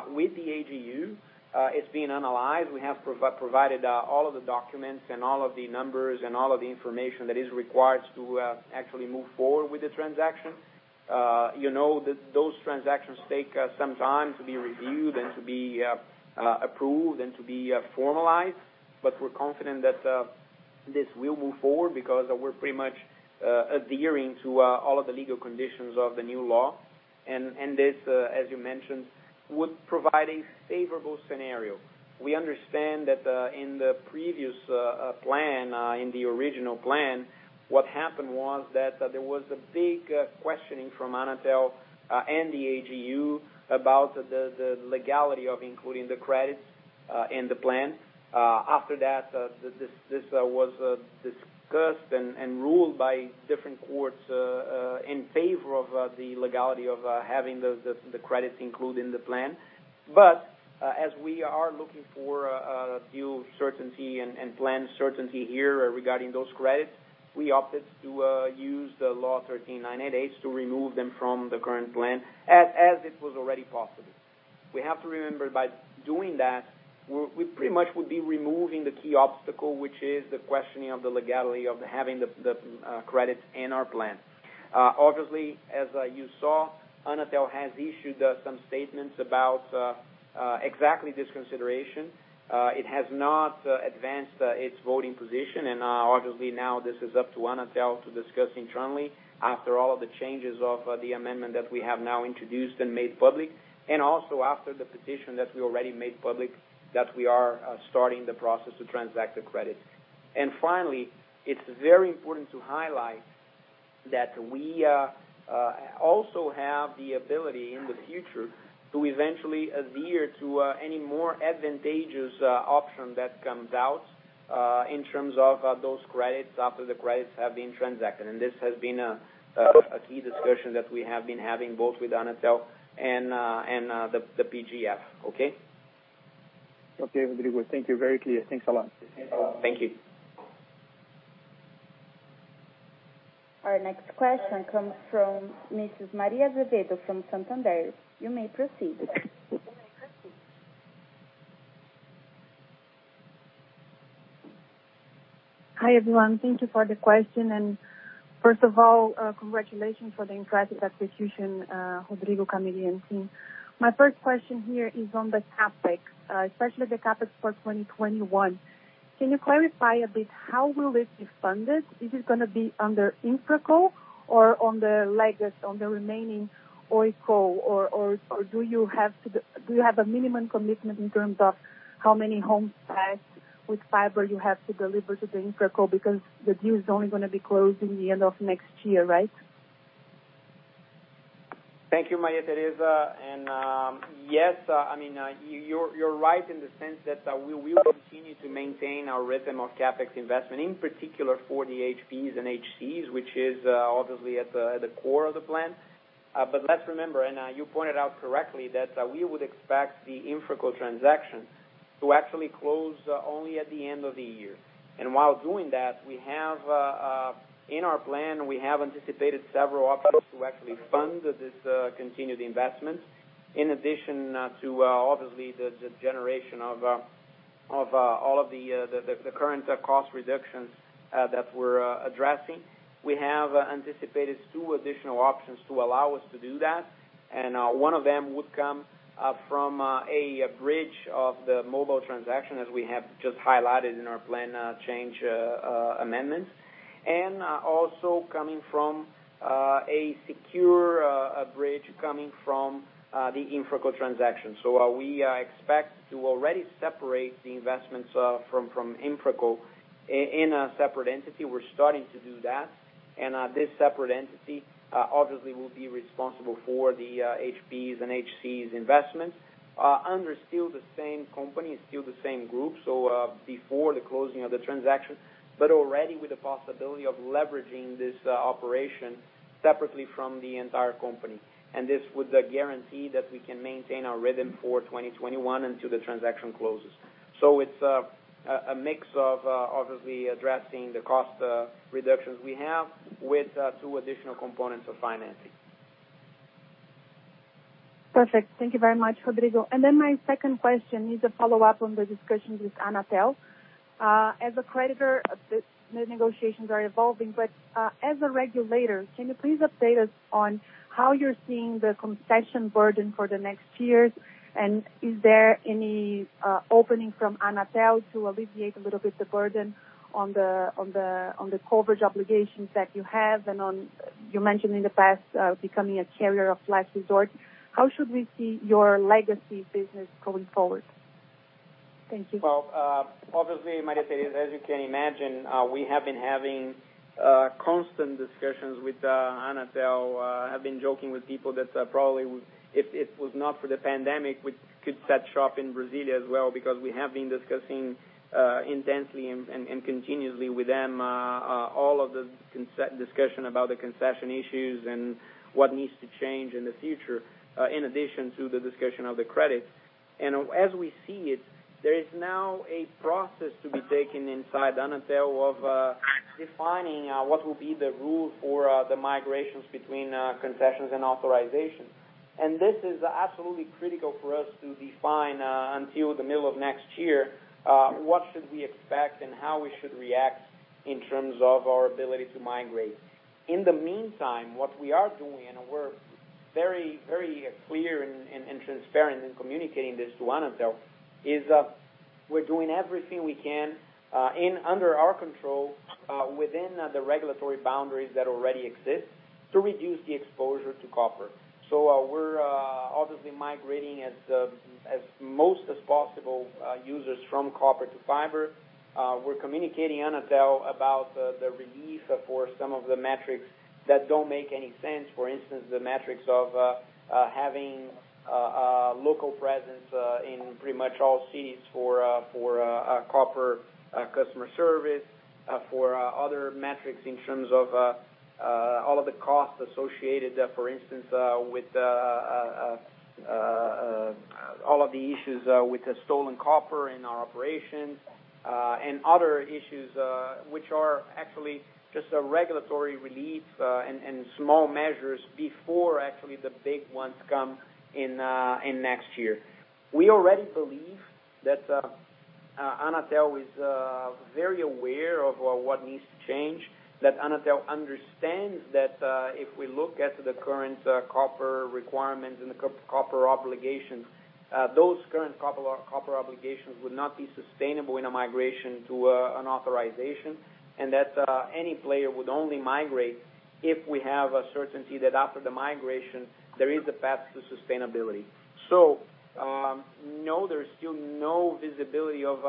with the AGU. It's being analyzed. We have provided all of the documents and all of the numbers and all of the information that is required to actually move forward with the transaction. Those transactions take some time to be reviewed and to be approved and to be formalized. We're confident that this will move forward because we're pretty much adhering to all of the legal conditions of the new law. This, as you mentioned, would provide a favorable scenario. We understand that in the previous plan, in the original plan, what happened was that there was a big questioning from ANATEL and the AGU about the legality of including the credits in the plan. After that, this was discussed and ruled by different courts in favor of the legality of having the credits included in the plan. As we are looking for a due certainty and plan certainty here regarding those credits, we opted to use the Law 13988 to remove them from the current plan as it was already possible. We have to remember by doing that, we pretty much would be removing the key obstacle, which is the questioning of the legality of having the credits in our plan. Obviously, as you saw ANATEL has issued some statements about exactly this consideration. It has not advanced its voting position, and obviously now this is up to ANATEL to discuss internally after all of the changes of the amendment that we have now introduced and made public, and also after the petition that we already made public, that we are starting the process to transact the credit. Finally, it's very important to highlight that we also have the ability in the future to eventually adhere to any more advantageous option that comes out in terms of those credits after the credits have been transacted. This has been a key discussion that we have been having both with ANATEL and the PGF, okay? Okay, Rodrigo. Thank you. Very clear. Thanks a lot. Thank you. Our next question comes from Mrs. Maria Greco from Santander. You may proceed. Hi, everyone. Thank you for the question. First of all, congratulations for the InfraCo acquisition, Rodrigo, Camille, and team. My first question here is on the CapEx, especially the CapEx for 2021. Can you clarify a bit how will this be funded? Is it going to be under InfraCo or on the legacy, on the remaining Oi, or do you have a minimum commitment in terms of how many homes passed with fiber you have to deliver to the InfraCo because the deal is only going to be closed in the end of next year, right? Thank you, Maria Tereza. Yes, you're right in the sense that we will continue to maintain our rhythm of CapEx investment, in particular for the HPs and HCs, which is obviously at the core of the plan. Let's remember, and you pointed out correctly, that we would expect the InfraCo transaction to actually close only at the end of the year. While doing that, in our plan, we have anticipated several options to actually fund this continued investment. In addition to obviously the generation of all of the current cost reductions that we're addressing. We have anticipated two additional options to allow us to do that, and one of them would come from a bridge of the mobile transaction, as we have just highlighted in our plan change amendments. Also coming from a secure bridge coming from the InfraCo transaction. We expect to already separate the investments from InfraCo in a separate entity. We're starting to do that. This separate entity obviously will be responsible for the HPs and HCs investments under still the same company, still the same group. Before the closing of the transaction, but already with the possibility of leveraging this operation separately from the entire company. This would guarantee that we can maintain our rhythm for 2021 until the transaction closes. It's a mix of obviously addressing the cost reductions we have with two additional components of financing. Perfect. Thank you very much, Rodrigo. My second question is a follow-up on the discussions with ANATEL. As a creditor, the negotiations are evolving, as a regulator, can you please update us on how you're seeing the concession burden for the next years? Is there any opening from ANATEL to alleviate a little bit the burden on the coverage obligations that you have and on, you mentioned in the past, becoming a carrier of last resort. How should we see your legacy business going forward? Thank you. Obviously, Maria Tereza, as you can imagine, we have been having constant discussions with ANATEL. I have been joking with people that probably if it was not for the pandemic, we could set shop in Brasilia as well, because we have been discussing intensely and continuously with them all of the discussion about the concession issues and what needs to change in the future, in addition to the discussion of the credits. As we see it, there is now a process to be taken inside ANATEL of defining what will be the rule for the migrations between concessions and authorizations. This is absolutely critical for us to define, until the middle of next year, what should we expect and how we should react in terms of our ability to migrate. In the meantime, what we are doing, and we're very clear and transparent in communicating this to ANATEL, is we're doing everything we can under our control within the regulatory boundaries that already exist to reduce the exposure to copper. We're obviously migrating as most as possible users from copper to fiber. We're communicating ANATEL about the relief for some of the metrics that don't make any sense. For instance, the metrics of having a local presence in pretty much all cities for copper customer service, for other metrics in terms of all of the costs associated, for instance, with all of the issues with the stolen copper in our operations. Other issues, which are actually just a regulatory relief and small measures before actually the big ones come in next year. We already believe that ANATEL is very aware of what needs to change, that ANATEL understands that if we look at the current copper requirements and the copper obligations, those current copper obligations would not be sustainable in a migration to an authorization. That any player would only migrate if we have a certainty that after the migration, there is a path to sustainability. No, there's still no visibility of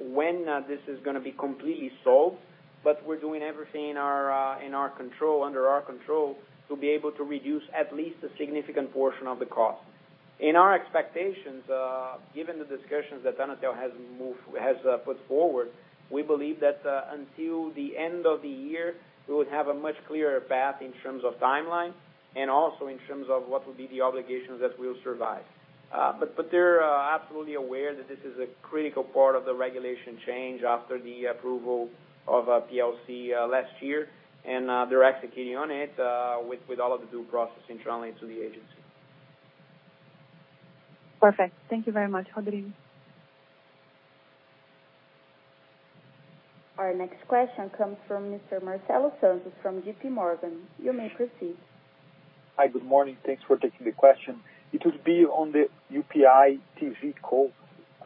when this is going to be completely solved, but we're doing everything under our control to be able to reduce at least a significant portion of the cost. In our expectations, given the discussions that ANATEL has put forward, we believe that until the end of the year, we would have a much clearer path in terms of timeline, and also in terms of what would be the obligations that will survive. They're absolutely aware that this is a critical part of the regulation change after the approval of PLC last year, and they're executing on it, with all of the due process internally to the agency. Perfect. Thank you very much, Rodrigo. Our next question comes from Mr. Marcelo Santos from JPMorgan. You may proceed. Hi, good morning. Thanks for taking the question. It would be on the UPI TVCo.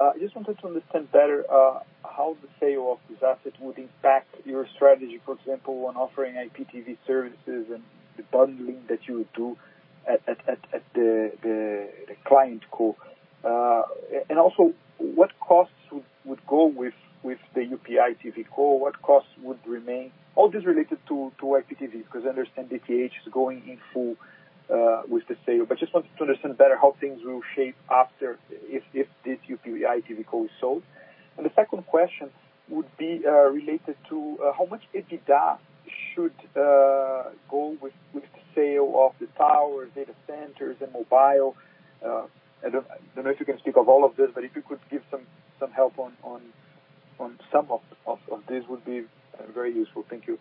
I just wanted to understand better how the sale of this asset would impact your strategy, for example, on offering IPTV services and the bundling that you would do at the ClientCo. What costs would go with the UPI TVCo? What costs would remain? All this related to IPTV, because I understand DTH is going in full with the sale. Wanted to understand better how things will shape after if this UPI TVCo is sold. The second question would be related to how much EBITDA should go with the sale of the tower data centers and mobile. I don't know if you can speak of all of this, if you could give some help on some of this would be very useful. Thank you.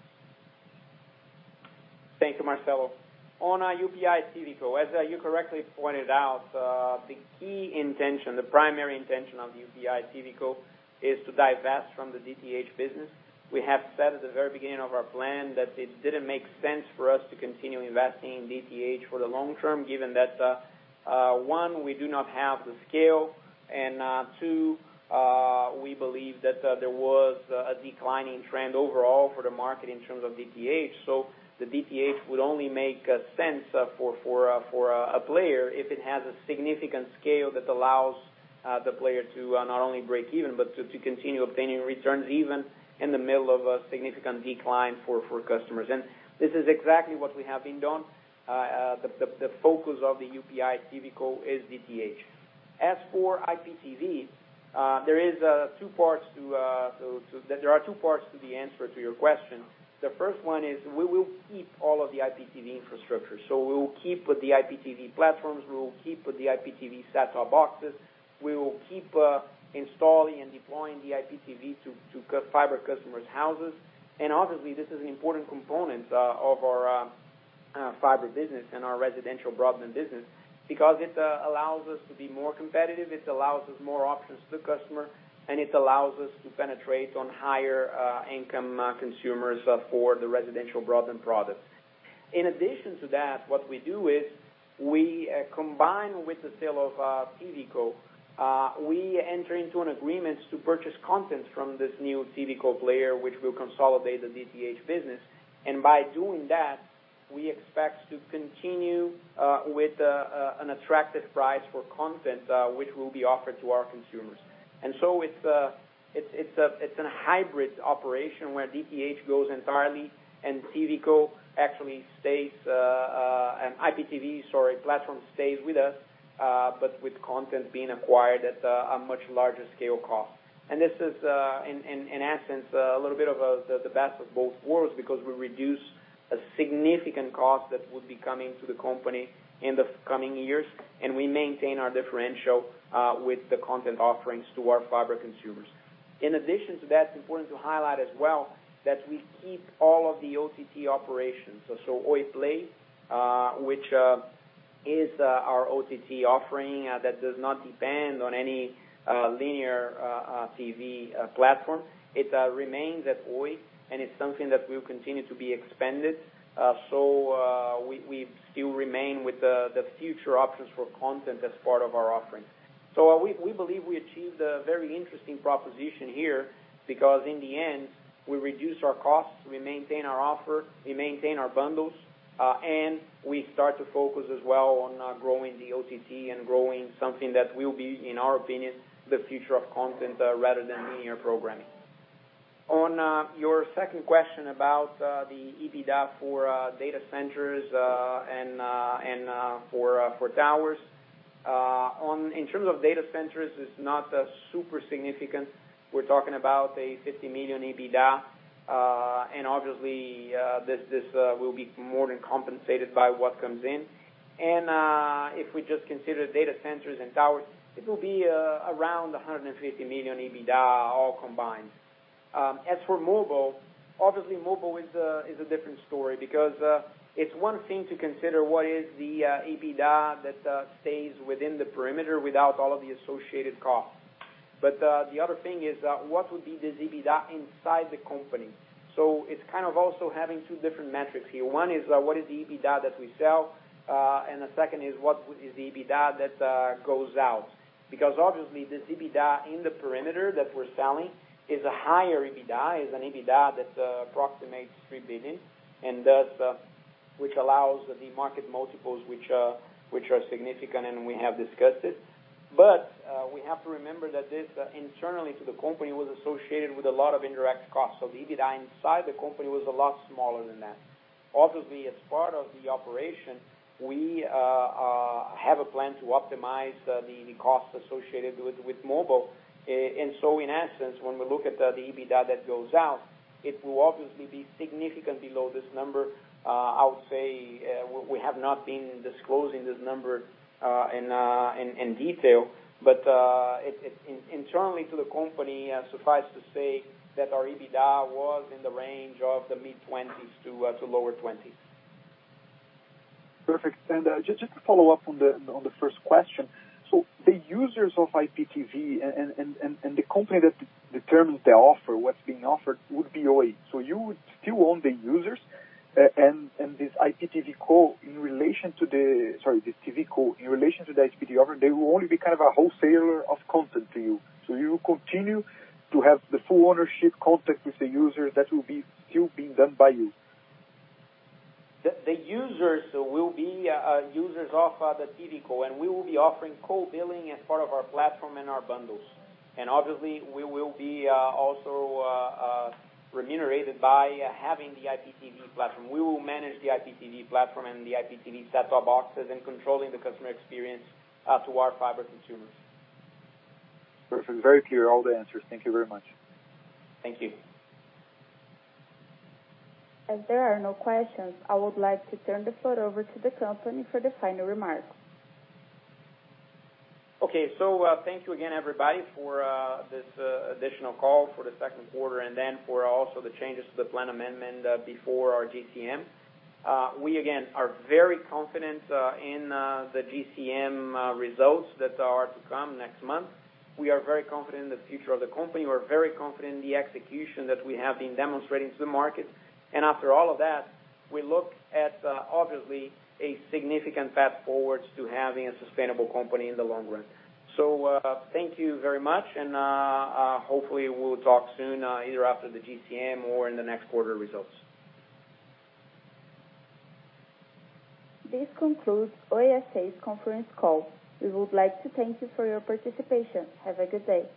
Thank you, Marcelo. On UPI TVCo, as you correctly pointed out, the key intention, the primary intention of UPI TVCo is to divest from the DTH business. We have said at the very beginning of our plan that it didn't make sense for us to continue investing in DTH for the long term, given that, one, we do not have the scale, and two, we believe that there was a declining trend overall for the market in terms of DTH. The DTH would only make sense for a player if it has a significant scale that allows the player to not only break even, but to continue obtaining returns even in the middle of a significant decline for customers. This is exactly what we have been doing. The focus of the UPI TVCo is DTH. As for IPTV, there are two parts to the answer to your question. The first one is we will keep all of the IPTV infrastructure. We will keep with the IPTV platforms, we will keep with the IPTV set-top boxes, we will keep installing and deploying the IPTV to fiber customers houses. Obviously, this is an important component of our fiber business and our residential broadband business because it allows us to be more competitive, it allows us more options to the customer, and it allows us to penetrate on higher income consumers for the residential broadband products. In addition to that, what we do is we combine with the sale of TVCo. We enter into an agreement to purchase content from this new TVCo player, which will consolidate the DTH business. By doing that, we expect to continue with an attractive price for content, which will be offered to our consumers. It's a hybrid operation where DTH goes entirely and TVCo actually stays, and IPTV, sorry, platform stays with us, but with content being acquired at a much larger scale cost. This is, in essence, a little bit of the best of both worlds because we reduce a significant cost that would be coming to the company in the coming years, and we maintain our differential with the content offerings to our fiber consumers. In addition to that, it's important to highlight as well that we keep all of the OTT operations. Oi Play, which is our OTT offering that does not depend on any linear TV platform. It remains at Oi, and it's something that will continue to be expanded. We still remain with the future options for content as part of our offering. We believe we achieved a very interesting proposition here because in the end, we reduce our costs, we maintain our offer, we maintain our bundles, and we start to focus as well on growing the OTT and growing something that will be, in our opinion, the future of content rather than linear programming. On your second question about the EBITDA for data centers and for towers. In terms of data centers, it's not super significant. We are talking about a 50 million EBITDA. Obviously, this will be more than compensated by what comes in. If we just consider data centers and towers, it will be around 150 million EBITDA all combined. As for mobile, obviously mobile is a different story because it's one thing to consider what is the EBITDA that stays within the perimeter without all of the associated costs. The other thing is what would be this EBITDA inside the company. It's kind of also having two different metrics here. One is what is the EBITDA that we sell, and the second is what is the EBITDA that goes out. Obviously this EBITDA in the perimeter that we're selling is a higher EBITDA, is an EBITDA that approximates 3 billion, and thus which allows the market multiples which are significant, and we have discussed it. We have to remember that this internally to the company was associated with a lot of indirect costs. The EBITDA inside the company was a lot smaller than that. Obviously, as part of the operation, we have a plan to optimize the cost associated with mobile. In that sense, when we look at the EBITDA that goes out, it will obviously be significantly below this number. I would say we have not been disclosing this number in detail, but internally to the company, suffice to say that our EBITDA was in the range of the mid-20s to lower 20s. Perfect. Just to follow up on the first question. The users of IPTV and the company that determines the offer, what's being offered would be Oi. You would still own the users and, sorry, the TVCo in relation to the IPTV offer, they will only be kind of a wholesaler of content to you. You will continue to have the full ownership contact with the user that will be still being done by you. The users will be users of the TVCo, and we will be offering co-billing as part of our platform and our bundles. Obviously we will be also remunerated by having the IPTV platform. We will manage the IPTV platform and the IPTV set-top boxes and controlling the customer experience to our fiber consumers. Perfect. Very clear, all the answers. Thank you very much. Thank you. As there are no questions, I would like to turn the floor over to the company for the final remarks. Thank you again, everybody, for this additional call for the second quarter and for also the changes to the plan amendment before our GCM. We again are very confident in the GCM results that are to come next month. We are very confident in the future of the company. We are very confident in the execution that we have been demonstrating to the market. After all of that, we look at obviously a significant path forwards to having a sustainable company in the long run. Thank you very much, and hopefully we will talk soon either after the GCM or in the next quarter results. This concludes Oi S.A.'s conference call. We would like to thank you for your participation. Have a good day.